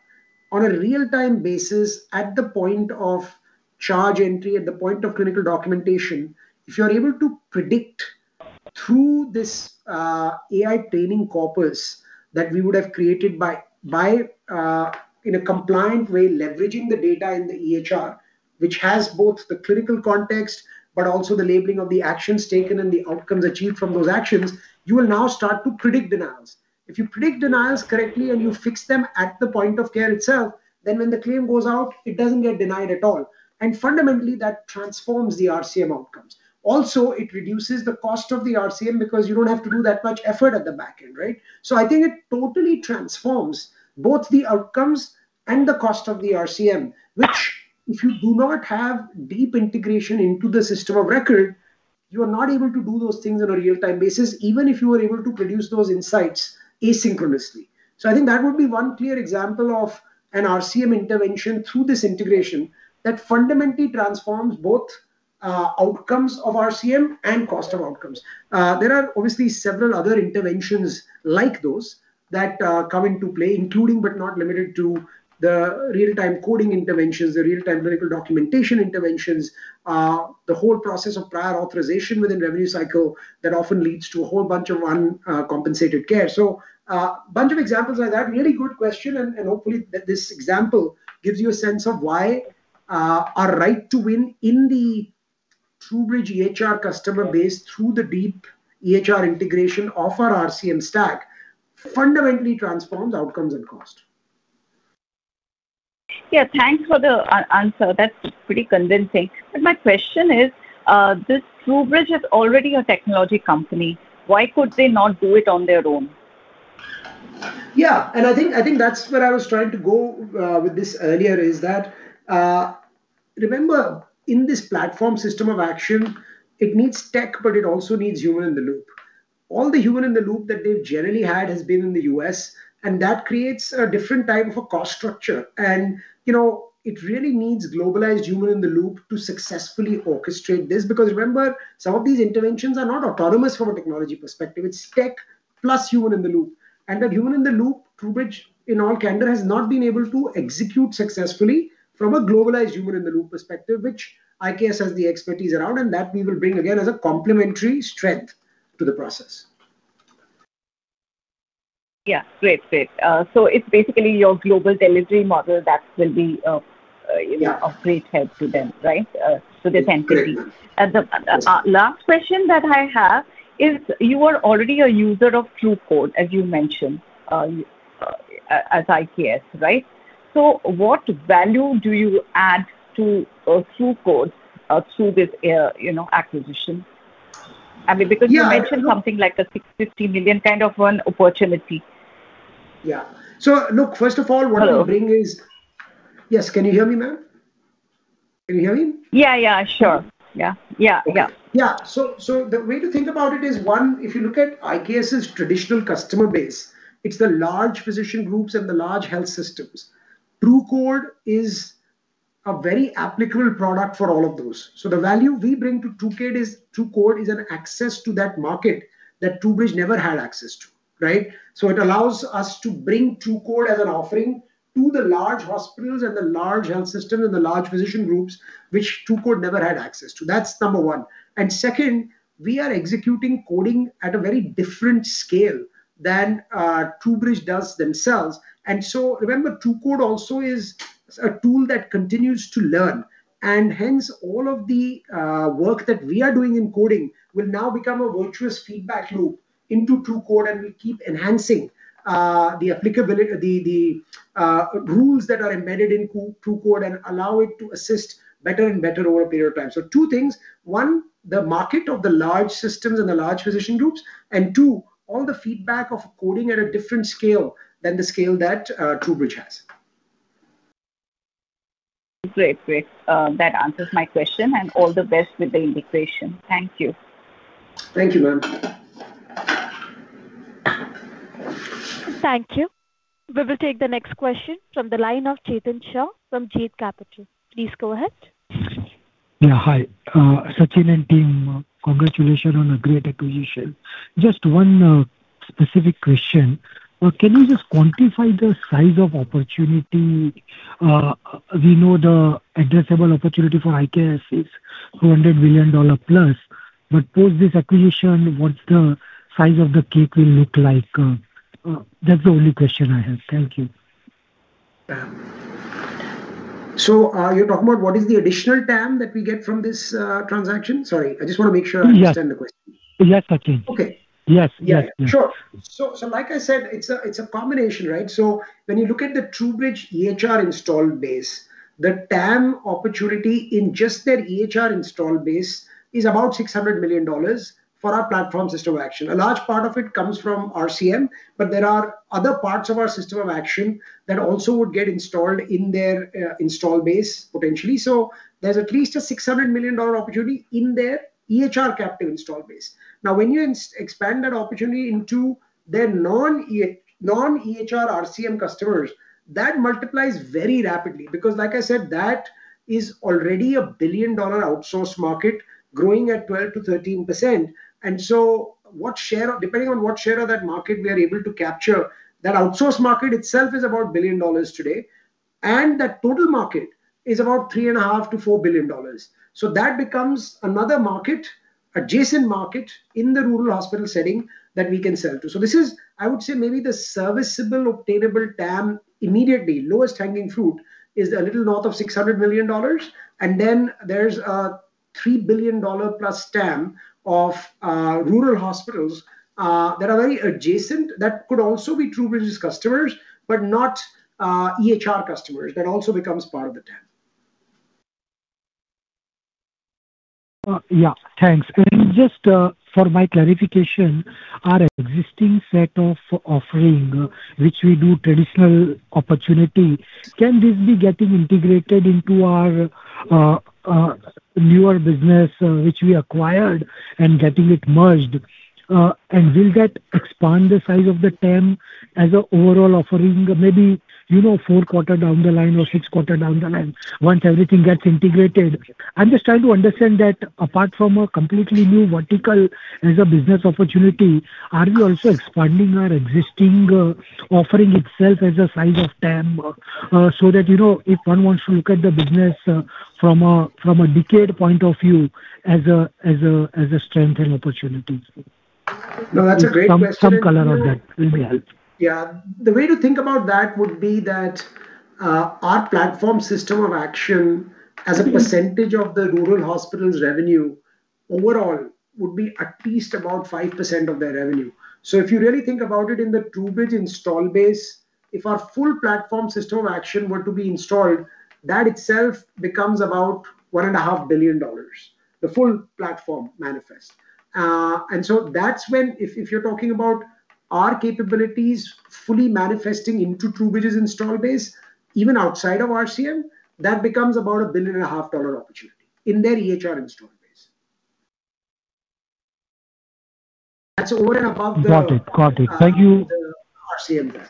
on a real-time basis at the point of charge entry, at the point of clinical documentation. If you're able to predict through this AI training corpus that we would have created in a compliant way, leveraging the data in the EHR, which has both the clinical context but also the labeling of the actions taken and the outcomes achieved from those actions, you will now start to predict denials. If you predict denials correctly and you fix them at the point of care itself, then when the claim goes out, it doesn't get denied at all. Fundamentally, that transforms the RCM outcomes. Also, it reduces the cost of the RCM because you don't have to do that much effort at the back end, right? I think it totally transforms both the outcomes and the cost of the RCM, which if you do not have deep integration into the system of record, you are not able to do those things on a real-time basis, even if you were able to produce those insights asynchronously. I think that would be one clear example of an RCM intervention through this integration that fundamentally transforms both outcomes of RCM and cost of outcomes. There are obviously several other interventions like those that come into play, including but not limited to the real-time coding interventions, the real-time clinical documentation interventions, the whole process of prior authorization within revenue cycle that often leads to a whole bunch of uncompensated care. Bunch of examples like that. Really good question, and hopefully this example gives you a sense of why our right to win in the TruBridge EHR customer base through the deep EHR integration of our RCM stack fundamentally transforms outcomes and cost. Yeah. Thanks for the answer. That's pretty convincing. My question is, this TruBridge is already a technology company. Why could they not do it on their own? Yeah. I think that's where I was trying to go with this earlier, is that, remember in this platform system of action, it needs tech, but it also needs human in the loop. All the human in the loop that they've generally had has been in the U.S., and that creates a different type of a cost structure. It really needs globalized human in the loop to successfully orchestrate this. Because remember, some of these interventions are not autonomous from a technology perspective. It's tech plus human in the loop. That human in the loop, TruBridge, in all candor, has not been able to execute successfully from a globalized human in the loop perspective, which IKS has the expertise around, and that we will bring again as a complementary strength to the process. Yeah. Great. It's basically your global delivery model that will be- Yeah of great help to them, right? To this entity. Correct. The last question that I have is, you are already a user of TruCode, as you mentioned, as IKS, right? What value do you add to TruCode through this acquisition? I mean, because you mentioned something like a 650 million kind of an opportunity. Yeah. Look, first of all, what I would bring is. Yes, can you hear me, ma'am? Can you hear me? Yeah. Sure. Yeah. Yeah. The way to think about it is, one, if you look at IKS's traditional customer base, it's the large physician groups and the large health systems. TruCode is a very applicable product for all of those. The value we bring to TruCode is an access to that market that TruBridge never had access to. Right? It allows us to bring TruCode as an offering to the large hospitals and the large health system and the large physician groups which TruCode never had access to. That's number one. Second, we are executing coding at a very different scale than TruBridge does themselves, and so remember, TruCode also is a tool that continues to learn, and hence all of the work that we are doing in coding will now become a virtuous feedback loop into TruCode, and we keep enhancing the applicability, the rules that are embedded in TruCode and allow it to assist better and better over a period of time. Two things. One, the market of the large systems and the large physician groups. Two, all the feedback of coding at a different scale than the scale that TruBridge has. Great. That answers my question, and all the best with the integration. Thank you. Thank you, ma'am. Thank you. We will take the next question from the line of Chetan Shah from Jeet Capital. Please go ahead. Yeah. Hi. Sachin and team, congratulations on a great acquisition. Just one specific question. Can you just quantify the size of opportunity? We know the addressable opportunity for IKS is $200+ million, but post this acquisition, what's the size of the cake will look like? That's the only question I have. Thank you. Are you talking about what is the additional TAM that we get from this transaction? Sorry, I just want to make sure I understand the question. Yes. Sachin. Okay. Yes. Sure. Like I said, it's a combination, right? When you look at the TruBridge EHR installed base, the TAM opportunity in just their EHR installed base is about $600 million for our platform system of action. A large part of it comes from RCM, but there are other parts of our system of action that also would get installed in their installed base, potentially. There's at least a $600 million opportunity in their EHR captive installed base. Now, when you expand that opportunity into their non-EHR RCM customers, that multiplies very rapidly, because like I said, that is already a billion-dollar outsource market growing at 12%-13%. Depending on what share of that market we are able to capture, that outsource market itself is about $1 billion today, and that total market is about $3.5 billion-$4 billion. That becomes another market, adjacent market, in the rural hospital setting that we can sell to. This is, I would say, maybe the serviceable obtainable TAM immediately. Lowest hanging fruit is a little north of $600 million. Then there's a $3+ billion TAM of rural hospitals that are very adjacent that could also be TruBridge's customers, but not EHR customers. That also becomes part of the TAM. Yeah. Thanks. Just for my clarification, our existing set of offering, which we do traditional opportunity, can this be getting integrated into our newer business which we acquired and getting it merged? Will that expand the size of the TAM as an overall offering, maybe four quarters down the line or six quarters down the line once everything gets integrated? I'm just trying to understand that apart from a completely new vertical as a business opportunity, are we also expanding our existing offering itself as a size of TAM so that if one wants to look at the business from a decade point of view as a strength and opportunity. No, that's a great question. Some color on that will be helpful. Yeah. The way to think about that would be that our platform system of action as a percentage of the rural hospital's revenue overall would be at least about 5% of their revenue. If you really think about it in the TruBridge install base, if our full platform system of action were to be installed, that itself becomes about $1.5 billion, the full platform manifest. That's when if you're talking about our capabilities fully manifesting into TruBridge's install base, even outside of RCM, that becomes about $1.5 billion opportunity in their EHR install base. That's over and above the- Got it. Thank you. the RCM TAM.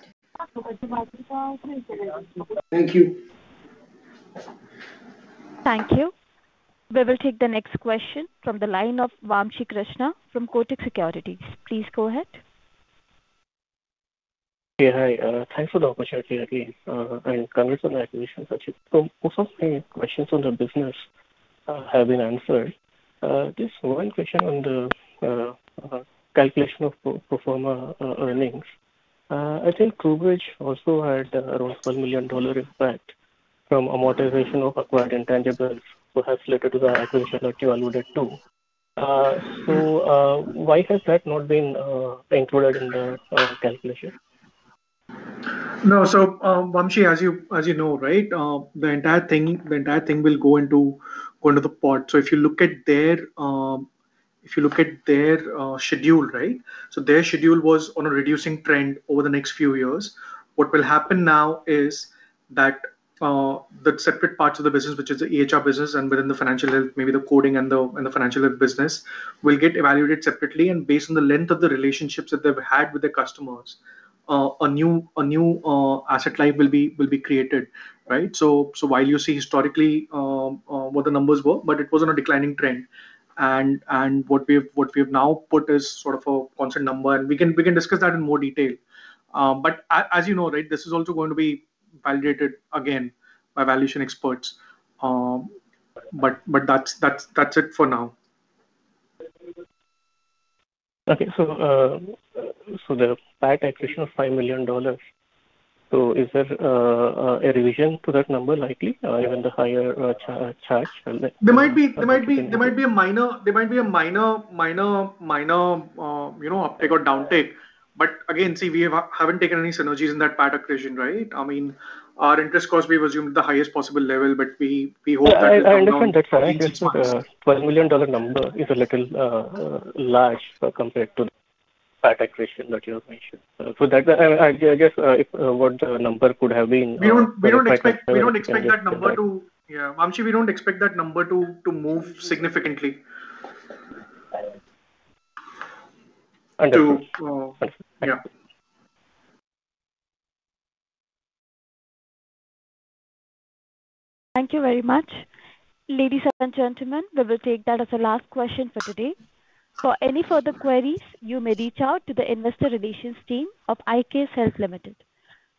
Thank you. Thank you. We will take the next question from the line of Vamshi Krishna from Kotak Securities. Please go ahead. Yeah. Hi. Thanks for the opportunity again, and congrats on the acquisition, Sachin. Most of my questions on the business have been answered. Just one question on the calculation of pro forma earnings. I think TruBridge also had around $12 million impact from amortization of acquired intangibles, perhaps related to the acquisition that you alluded to. Why has that not been included in the calculation? No. Vamshi, as you know, the entire thing will go into the pot. If you look at their schedule, their schedule was on a reducing trend over the next few years. What will happen now is that the separate parts of the business, which is the EHR business and within the financial health, maybe the coding and the financial health business, will get evaluated separately, and based on the length of the relationships that they've had with their customers, a new asset line will be created. While you see historically what the numbers were, but it was on a declining trend. What we've now put is sort of a constant number, and we can discuss that in more detail. As you know, this is also going to be validated again by valuation experts. That's it for now. Okay. The PAT accretion of $5 million. Is there a revision to that number likely, given the higher charge and the- There might be a minor uptake or downtake. Again, see, we haven't taken any synergies in that PAT accretion, right? Our interest costs we've assumed the highest possible level, but we hope that. Yeah. I understand that, correct. This $12 million number is a little large compared to the PAT accretion that you have mentioned. For that, I guess if what the number could have been. Vamshi, we don't expect that number to move significantly. Understood. To- Perfect. Yeah. Thank you very much. Ladies and gentlemen, we will take that as the last question for today. For any further queries, you may reach out to the investor relations team of IKS Health Limited.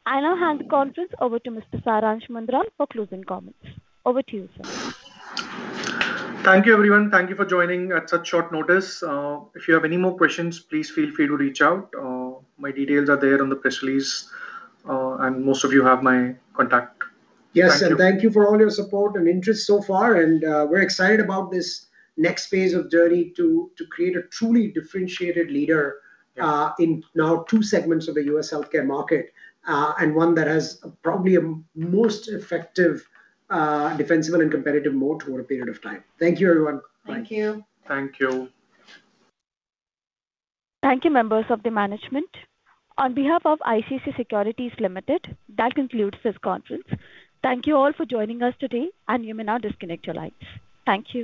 I now hand the conference over to Mr. Saransh Mundra for closing comments. Over to you, sir. Thank you, everyone. Thank you for joining at such short notice. If you have any more questions, please feel free to reach out. My details are there on the press release, and most of you have my contact. Yes. Thank you for all your support and interest so far. We're excited about this next phase of journey to create a truly differentiated leader in now two segments of the U.S. healthcare market, and one that has probably a most effective, defensible, and competitive moat over a period of time. Thank you, everyone. Bye. Thank you. Thank you. Thank you, members of the management. On behalf of ICICI Securities Limited, that concludes this conference. Thank you all for joining us today, and you may now disconnect your lines. Thank you.